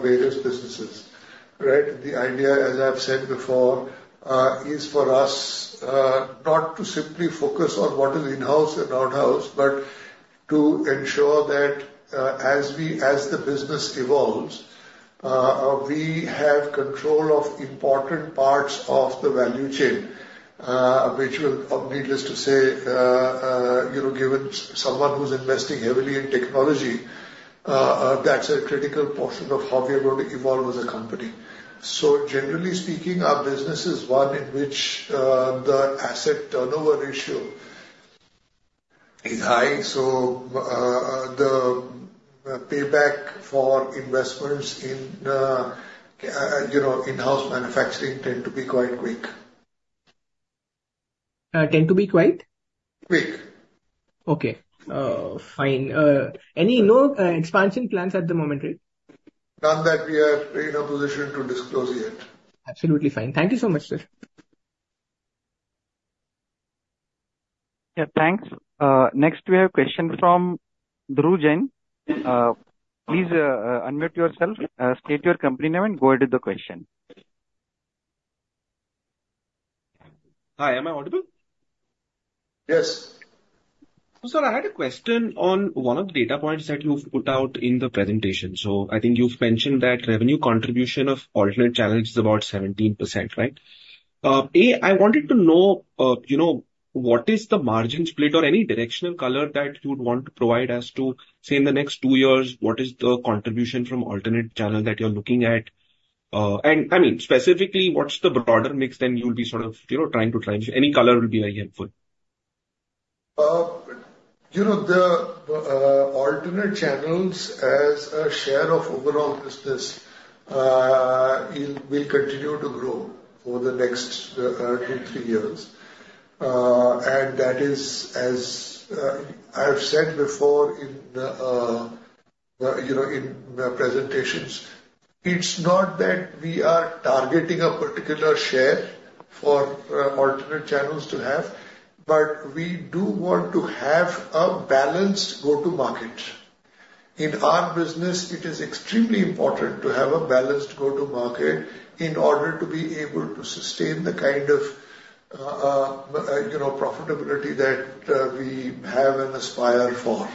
Speaker 2: various businesses, right? The idea, as I've said before, is for us not to simply focus on what is in-house and out-house, but to ensure that as the business evolves, we have control of important parts of the value chain, which will, needless to say, given someone who's investing heavily in technology, that's a critical portion of how we are going to evolve as a company. So generally speaking, our business is one in which the asset turnover ratio is high. So the payback for investments in in-house manufacturing tends to be quite quick.
Speaker 9: Okay. Fine. Any expansion plans at the moment, right?
Speaker 2: None that we are in a position to disclose yet.
Speaker 9: Absolutely fine. Thank you so much, sir.
Speaker 1: Yeah. Thanks. Next, we have a question from Dhruv Jain. Please unmute yourself. State your company name and go ahead with the question.
Speaker 10: Hi. Am I audible?
Speaker 2: Yes.
Speaker 10: So sir, I had a question on one of the data points that you've put out in the presentation. So I think you've mentioned that revenue contribution of alternate channels is about 17%, right? I wanted to know what is the margin split or any directional color that you would want to provide as to, say, in the next two years, what is the contribution from alternate channel that you're looking at? And I mean, specifically, what's the broader mix then you'll be sort of trying to try? Any color will be very helpful.
Speaker 2: The alternate channels as a share of overall business will continue to grow for the next two, three years. And that is, as I've said before in the presentations, it's not that we are targeting a particular share for alternate channels to have, but we do want to have a balanced go-to-market. In our business, it is extremely important to have a balanced go-to-market in order to be able to sustain the kind of profitability that we have and aspire for.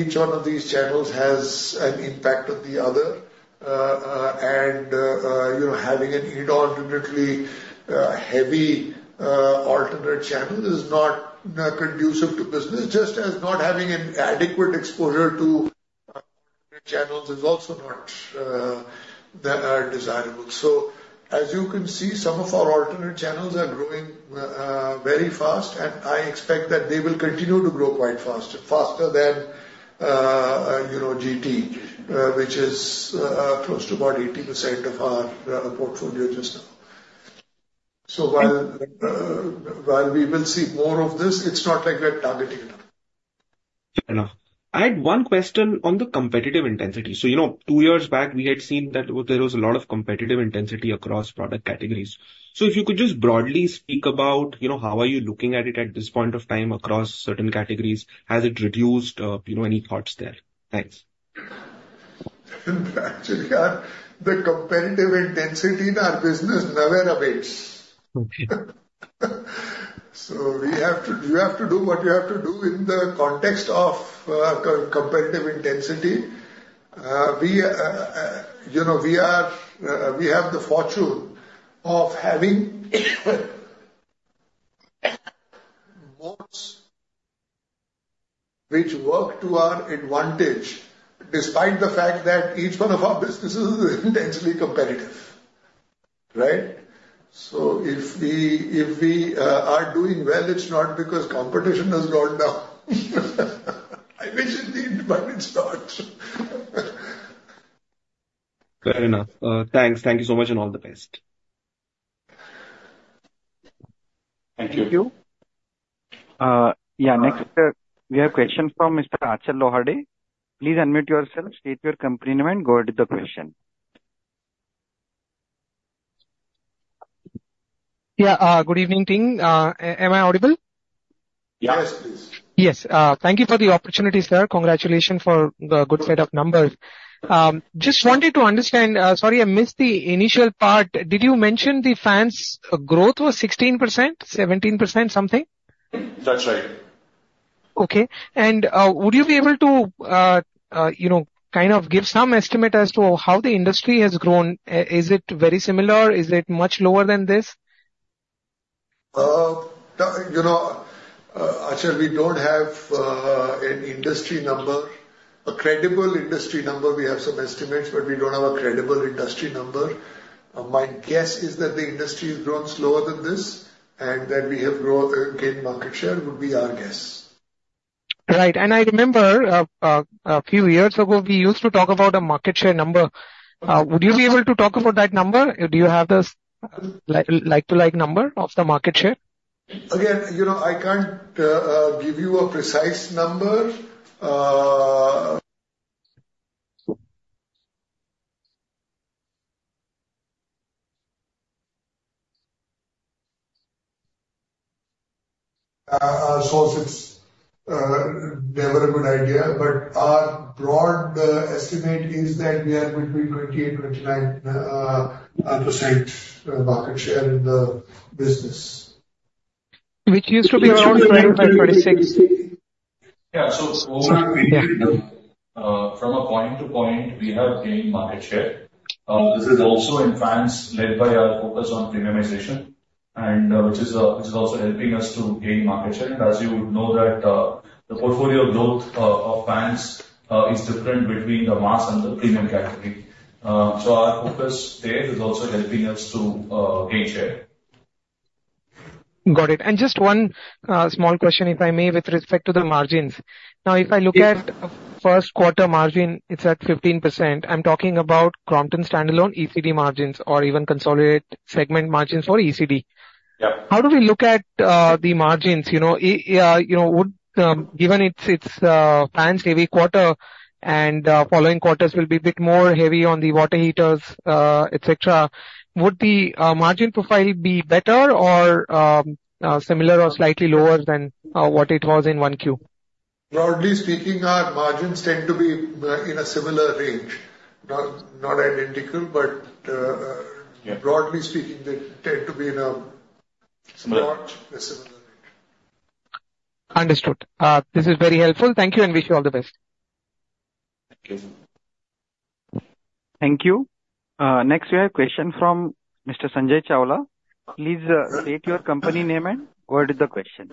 Speaker 2: Each one of these channels has an impact on the other. And having an inordinately heavy alternate channel is not conducive to business, just as not having an adequate exposure to alternate channels is also not desirable. So as you can see, some of our alternate channels are growing very fast, and I expect that they will continue to grow quite faster, faster than GT, which is close to about 80% of our portfolio just now. So while we will see more of this, it's not like we're targeting enough.
Speaker 10: Fair enough. I had one question on the competitive intensity. So two years back, we had seen that there was a lot of competitive intensity across product categories. So if you could just broadly speak about how are you looking at it at this point of time across certain categories, has it reduced? Any thoughts there? Thanks.
Speaker 2: Actually, the competitive intensity in our business never abates. So you have to do what you have to do in the context of competitive intensity. We have the fortune of having moats which work to our advantage despite the fact that each one of our businesses is intensely competitive, right? So if we are doing well, it's not because competition has gone down. I wish it did, but it's not.
Speaker 10: Fair enough. Thanks. Thank you so much and all the best.
Speaker 4: Thank you.
Speaker 2: Thank you.
Speaker 1: Yeah. Next, we have a question from Mr. Achal Lohade. Please unmute yourself. State your company name and go ahead with the question.
Speaker 11: Yeah. Good evening, team. Am I audible?
Speaker 2: Yes, please.
Speaker 11: Yes. Thank you for the opportunity, sir. Congratulations for the good set of numbers. Just wanted to understand. Sorry, I missed the initial part. Did you mention the fans' growth was 16%, 17%, something?
Speaker 4: That's right.
Speaker 11: Okay. And would you be able to kind of give some estimate as to how the industry has grown? Is it very similar? Is it much lower than this?
Speaker 2: Actually, we don't have an industry number, a credible industry number. We have some estimates, but we don't have a credible industry number. My guess is that the industry has grown slower than this and that we have gained market share would be our guess.
Speaker 11: Right. And I remember a few years ago, we used to talk about a market share number. Would you be able to talk about that number? Do you have the like-for-like number of the market share?
Speaker 2: Again, I can't give you a precise number. Outsourced, it's never a good idea. But our broad estimate is that we are between 28% and 29% market share in the business.
Speaker 11: Which used to be around 25%-26%.
Speaker 4: Yeah. So from a point to point, we have gained market share. This is also in fans led by our focus on premiumization, which is also helping us to gain market share. And as you know, the portfolio growth of fans is different between the mass and the premium category. So our focus there is also helping us to gain share.
Speaker 11: Got it. And just one small question, if I may, with respect to the margins. Now, if I look at first quarter margin, it's at 15%. I'm talking about Crompton standalone ECD margins or even consolidated segment margins for ECD. How do we look at the margins? Given it's fans heavy quarter and following quarters will be a bit more heavy on the water heaters, etc., would the margin profile be better or similar or slightly lower than what it was in Q1?
Speaker 2: Broadly speaking, our margins tend to be in a similar range. Not identical, but broadly speaking, they tend to be in a similar range.
Speaker 11: Understood. This is very helpful. Thank you and wish you all the best.
Speaker 4: Thank you.
Speaker 1: Thank you. Next, we have a question from Mr. Sanjay Chawla. Please state your company name and go ahead with the question.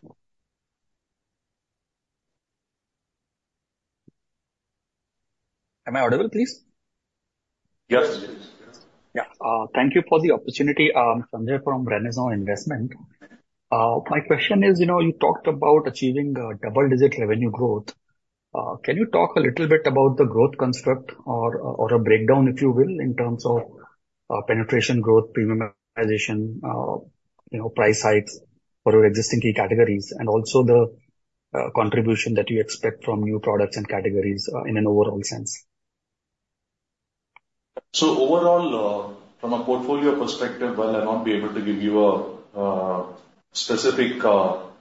Speaker 12: Am I audible, please?
Speaker 4: Yes.
Speaker 12: Yeah. Thank you for the opportunity, Sanjay, from Renaissance Investment. My question is, you talked about achieving double-digit revenue growth. Can you talk a little bit about the growth construct or a breakdown, if you will, in terms of penetration growth, premiumization, price hikes for your existing key categories, and also the contribution that you expect from new products and categories in an overall sense?
Speaker 4: So overall, from a portfolio perspective, while I won't be able to give you specific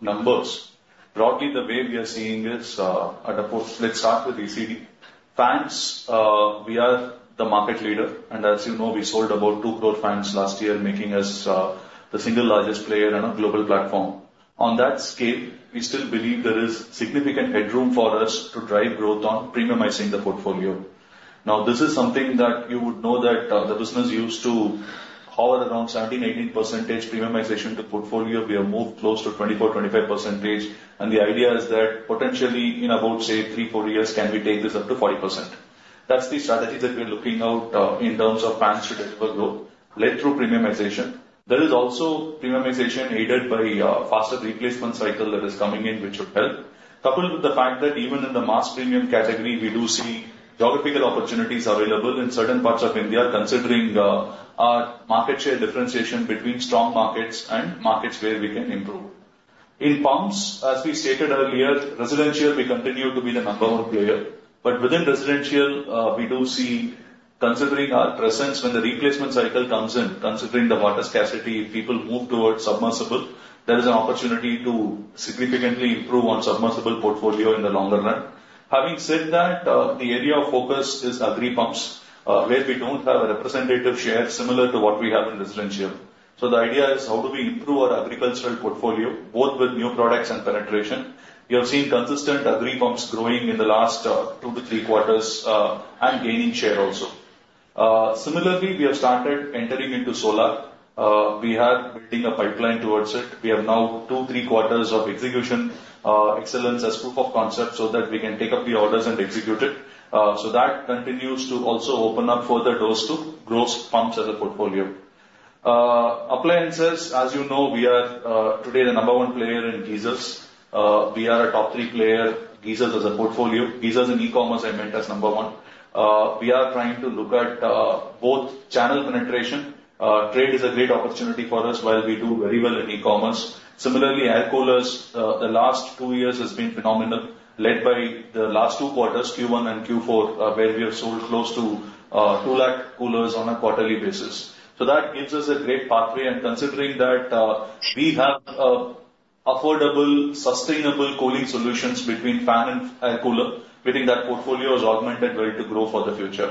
Speaker 4: numbers, broadly, the way we are seeing is, let's start with ECD. Fans, we are the market leader. And as you know, we sold about 2 crore fans last year, making us the single largest player on a global platform. On that scale, we still believe there is significant headroom for us to drive growth on premiumizing the portfolio. Now, this is something that you would know that the business used to hover around 17%, 18% premiumization to portfolio. We have moved close to 24%, 25%. The idea is that potentially, in about, say, 3-4 years, can we take this up to 40%? That's the strategy that we're looking out in terms of fans to deliver growth led through premiumization. There is also premiumization aided by a faster replacement cycle that is coming in, which would help, coupled with the fact that even in the mass premium category, we do see geographical opportunities available in certain parts of India, considering our market share differentiation between strong markets and markets where we can improve. In pumps, as we stated earlier, residential, we continue to be the number one player. But within residential, we do see, considering our presence when the replacement cycle comes in, considering the water scarcity, people move towards submersible. There is an opportunity to significantly improve on submersible portfolio in the longer run. Having said that, the area of focus is agri pumps, where we don't have a representative share similar to what we have in residential. So the idea is, how do we improve our agricultural portfolio, both with new products and penetration? We have seen consistent agri pumps growing in the last two to three quarters and gaining share also. Similarly, we have started entering into solar. We are building a pipeline towards it. We have now two, three quarters of execution excellence as proof of concept so that we can take up the orders and execute it. So that continues to also open up further doors to solar pumps as a portfolio. Appliances, as you know, we are today the number one player in geysers. We are a top three player, geysers as a portfolio. Geysers in e-commerce, I meant, as number one. We are trying to look at both channel penetration. Trade is a great opportunity for us while we do very well in e-commerce. Similarly, air coolers, the last two years has been phenomenal, led by the last two quarters, Q1 and Q4, where we have sold close to 200,000 coolers on a quarterly basis. So that gives us a great pathway. And considering that we have affordable, sustainable cooling solutions between fan and air cooler, I think that portfolio has augmented ready to grow for the future.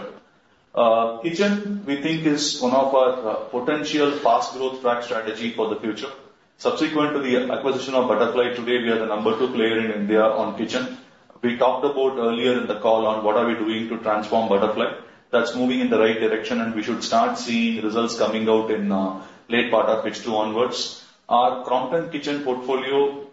Speaker 4: Kitchen, we think, is one of our potential fast-growth track strategy for the future. Subsequent to the acquisition of Butterfly, today, we are the number two player in India on kitchen. We talked about earlier in the call on what are we doing to transform Butterfly. That's moving in the right direction, and we should start seeing results coming out in late part of H2 onwards. Our Crompton kitchen portfolio,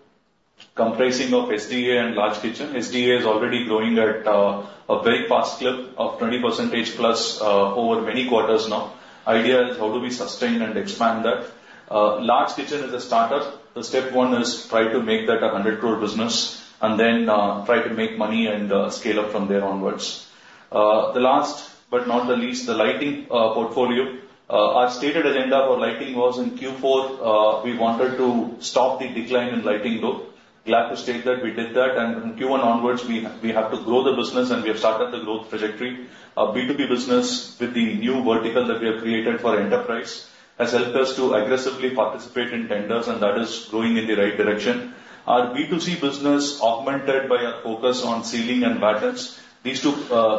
Speaker 4: comprising of SDA and large kitchen, SDA is already growing at a very fast clip of 20%+ over many quarters now. Idea is how do we sustain and expand that? Large kitchen is a starter. The step one is try to make that a 100 crore business and then try to make money and scale up from there onwards. The last, but not the least, the lighting portfolio. Our stated agenda for lighting was in Q4, we wanted to stop the decline in lighting load. Glad to state that we did that. And from Q1 onwards, we have to grow the business, and we have started the growth trajectory. B2B business with the new vertical that we have created for enterprise has helped us to aggressively participate in tenders, and that is growing in the right direction. Our B2C business, augmented by our focus on ceiling and battens. These two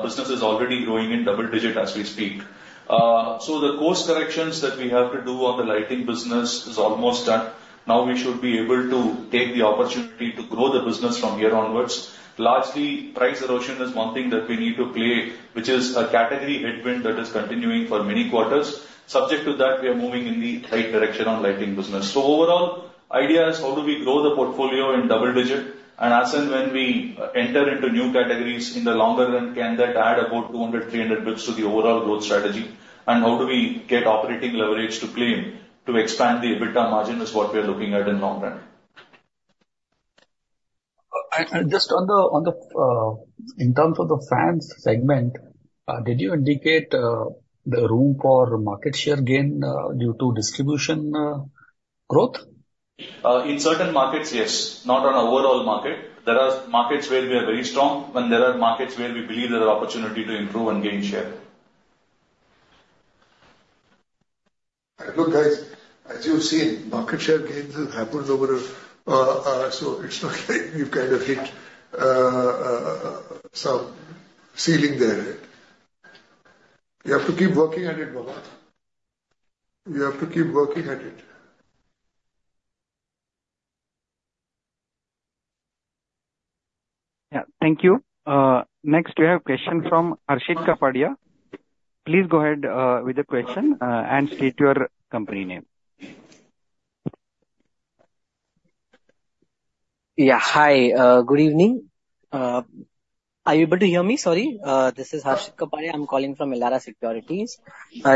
Speaker 4: businesses are already growing in double-digit as we speak. So the course corrections that we have to do on the lighting business is almost done. Now we should be able to take the opportunity to grow the business from here onwards. Largely, price erosion is one thing that we need to play, which is a category headwind that is continuing for many quarters. Subject to that, we are moving in the right direction on lighting business. So overall, idea is how do we grow the portfolio in double-digit? As and when we enter into new categories in the longer run, can that add about 200-300 basis points to the overall growth strategy? And how do we get operating leverage to claim to expand the EBITDA margin is what we are looking at in long run.
Speaker 12: Just in terms of the fans segment, did you indicate the room for market share gain due to distribution growth?
Speaker 4: In certain markets, yes. Not on an overall market. There are markets where we are very strong, and there are markets where we believe there are opportunities to improve and gain share.
Speaker 2: Look, guys, as you've seen, market share gains have happened over. So it's not like we've kind of hit some ceiling there. You have to keep working at it. You have to keep working at it.
Speaker 1: Yeah. Thank you. Next, we have a question from Harshit Kapadia. Please go ahead with the question and state your company name.
Speaker 13: Yeah. Hi. Good evening. Are you able to hear me? Sorry. This is Harshit Kapadia. I'm calling from Elara Securities.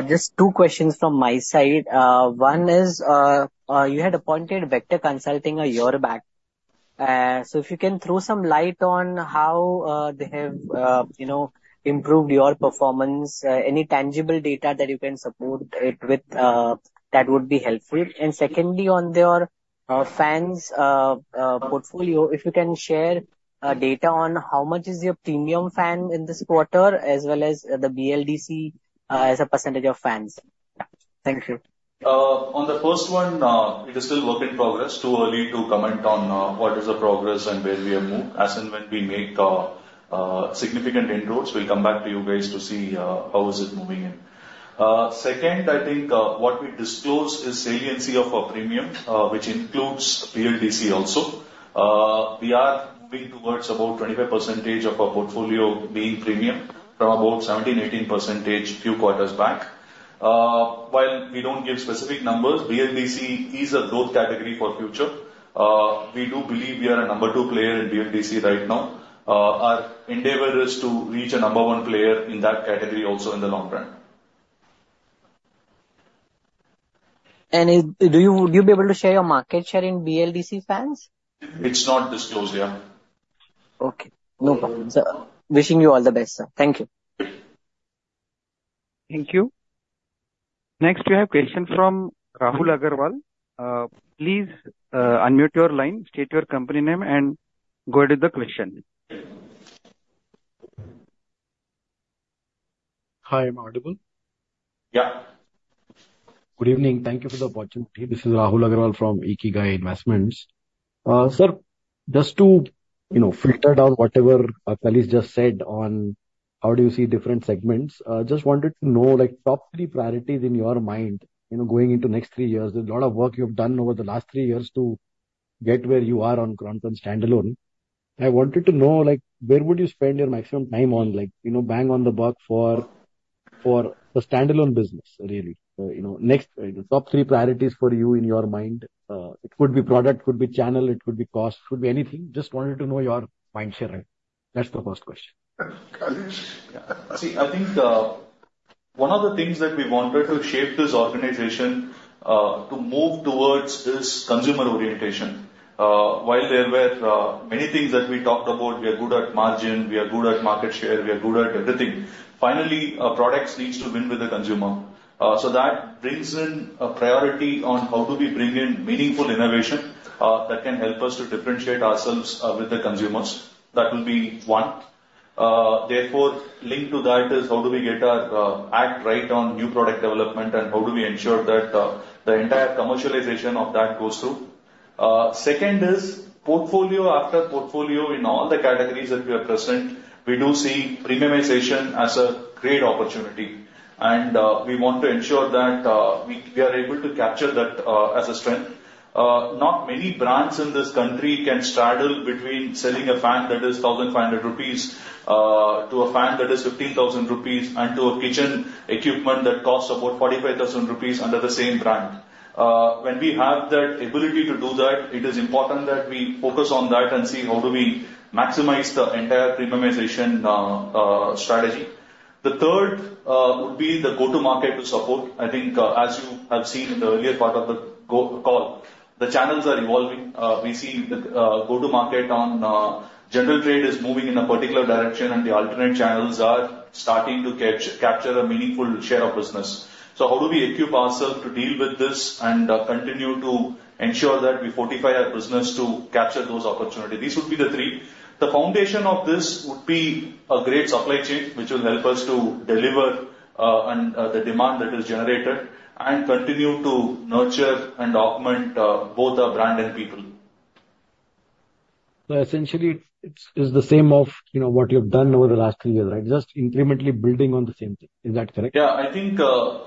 Speaker 13: Just two questions from my side. One is you had appointed Vector Consulting a year back. So if you can throw some light on how they have improved your performance, any tangible data that you can support it with, that would be helpful. And secondly, on their fans portfolio, if you can share data on how much is your premium fan in this quarter, as well as the BLDC as a percentage of fans. Thank you.
Speaker 4: On the first one, it is still work in progress. Too early to comment on what is the progress and where we have moved. As and when we make significant inroads, we'll come back to you guys to see how it's moving in. Second, I think what we disclose is salience of our premium, which includes BLDC also. We are moving towards about 25% of our portfolio being premium from about 17%-18% a few quarters back. While we don't give specific numbers, BLDC is a growth category for future. We do believe we are a number two player in BLDC right now. Our endeavor is to reach a number one player in that category also in the long run.
Speaker 13: And would you be able to share your market share in BLDC fans?
Speaker 4: It's not disclosed yet.
Speaker 13: Okay. No problem. Wishing you all the best, sir. Thank you.
Speaker 1: Thank you. Next, we have a question from Rahul Agarwal. Please unmute your line, state your company name, and go ahead with the question.
Speaker 14: Hi. Am I audible? Yeah. Good evening. Thank you for the opportunity. This is Rahul Agarwal from Ikigai Investments. Sir, just to filter down whatever Kaleeswaran just said on how do you see different segments, I just wanted to know top three priorities in your mind going into next three years. There's a lot of work you have done over the last three years to get where you are on Crompton standalone. I wanted to know where would you spend your maximum time on, bang on the buck for the standalone business, really? Next, top three priorities for you in your mind, it could be product, could be channel, it could be cost, could be anything. Just wanted to know your mind share. That's the first question.
Speaker 4: See, I think one of the things that we wanted to shape this organization to move towards is consumer orientation. While there were many things that we talked about, we are good at margin, we are good at market share, we are good at everything. Finally, products need to win with the consumer. So that brings in a priority on how do we bring in meaningful innovation that can help us to differentiate ourselves with the consumers. That will be one. Therefore, linked to that is how do we get our act right on new product development and how do we ensure that the entire commercialization of that goes through. Second is portfolio after portfolio in all the categories that we are present, we do see premiumization as a great opportunity. We want to ensure that we are able to capture that as a strength. Not many brands in this country can straddle between selling a fan that is 1,500 rupees to a fan that is 15,000 rupees and to a kitchen equipment that costs about 45,000 rupees under the same brand. When we have that ability to do that, it is important that we focus on that and see how do we maximize the entire premiumization strategy. The third would be the go-to-market to support. I think as you have seen in the earlier part of the call, the channels are evolving. We see the go-to-market on general trade is moving in a particular direction, and the alternate channels are starting to capture a meaningful share of business. So how do we equip ourselves to deal with this and continue to ensure that we fortify our business to capture those opportunities? These would be the three. The foundation of this would be a great supply chain, which will help us to deliver the demand that is generated and continue to nurture and augment both our brand and people.
Speaker 14: So essentially, it's the same of what you've done over the last three years, right? Just incrementally building on the same thing. Is that correct?
Speaker 4: Yeah. I think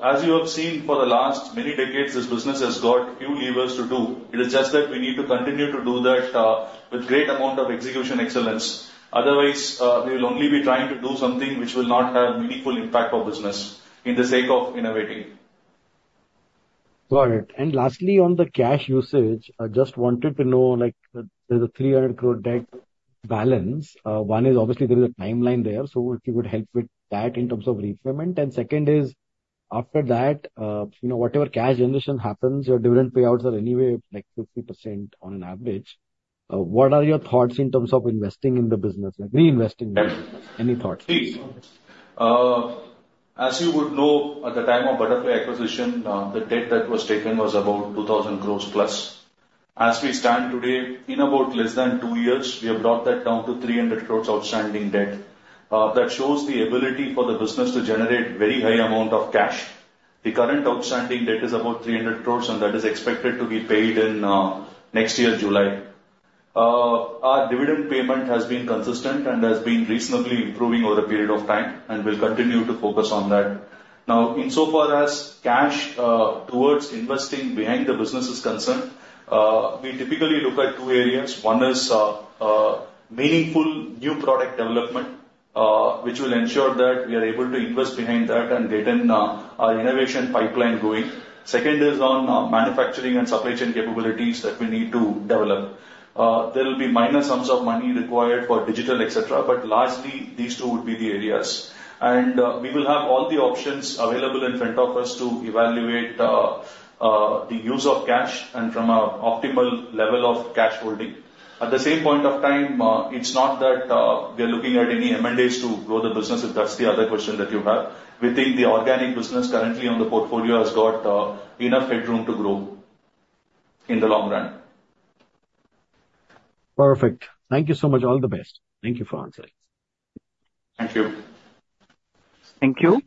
Speaker 4: as you have seen for the last many decades, this business has got few levers to do. It is just that we need to continue to do that with a great amount of execution excellence. Otherwise, we will only be trying to do something which will not have meaningful impact for business in the sake of innovating.
Speaker 14: Got it. And lastly, on the cash usage, I just wanted to know there's a 300 crore debt balance. One is obviously there is a timeline there. So if you could help with that in terms of repayment. And second is after that, whatever cash generation happens, your dividend payouts are anyway like 50% on an average. What are your thoughts in terms of investing in the business, reinvesting? Any thoughts?
Speaker 4: As you would know, at the time of Butterfly acquisition, the debt that was taken was about 2,000 crore plus. As we stand today, in about less than two years, we have brought that down to 300 crore outstanding debt. That shows the ability for the business to generate a very high amount of cash. The current outstanding debt is about 300 crore, and that is expected to be paid in next year, July. Our dividend payment has been consistent and has been reasonably improving over a period of time and will continue to focus on that. Now, insofar as cash towards investing behind the business is concerned, we typically look at two areas. One is meaningful new product development, which will ensure that we are able to invest behind that and get in our innovation pipeline going. Second is on manufacturing and supply chain capabilities that we need to develop. There will be minor sums of money required for digital, etc. But largely, these two would be the areas. And we will have all the options available in front of us to evaluate the use of cash and from an optimal level of cash holding. At the same point of time, it's not that we are looking at any M&As to grow the business. That's the other question that you have. We think the organic business currently on the portfolio has got enough headroom to grow in the long run.
Speaker 14: Perfect. Thank you so much. All the best. Thank you for answering.
Speaker 4: Thank you.
Speaker 1: Thank you.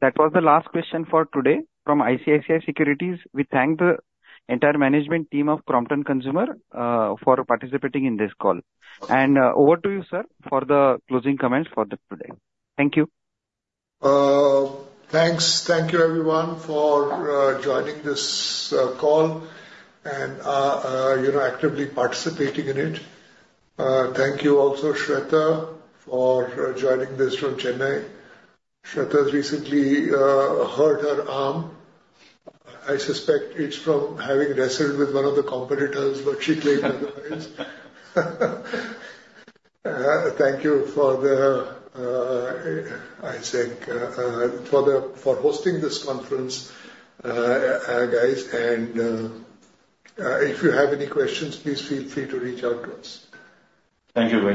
Speaker 1: That was the last question for today from ICICI Securities. We thank the entire management team of Crompton Consumer for participating in this call. Over to you, sir, for the closing comments for today. Thank you.
Speaker 2: Thanks. Thank you, everyone, for joining this call and actively participating in it. Thank you also, Swetha, for joining this from Chennai. Swetha has recently hurt her arm. I suspect it's from having wrestled with one of the competitors, but she claimed otherwise. Thank you for the, I think, for hosting this conference, guys. If you have any questions, please feel free to reach out to us.
Speaker 4: Thank you.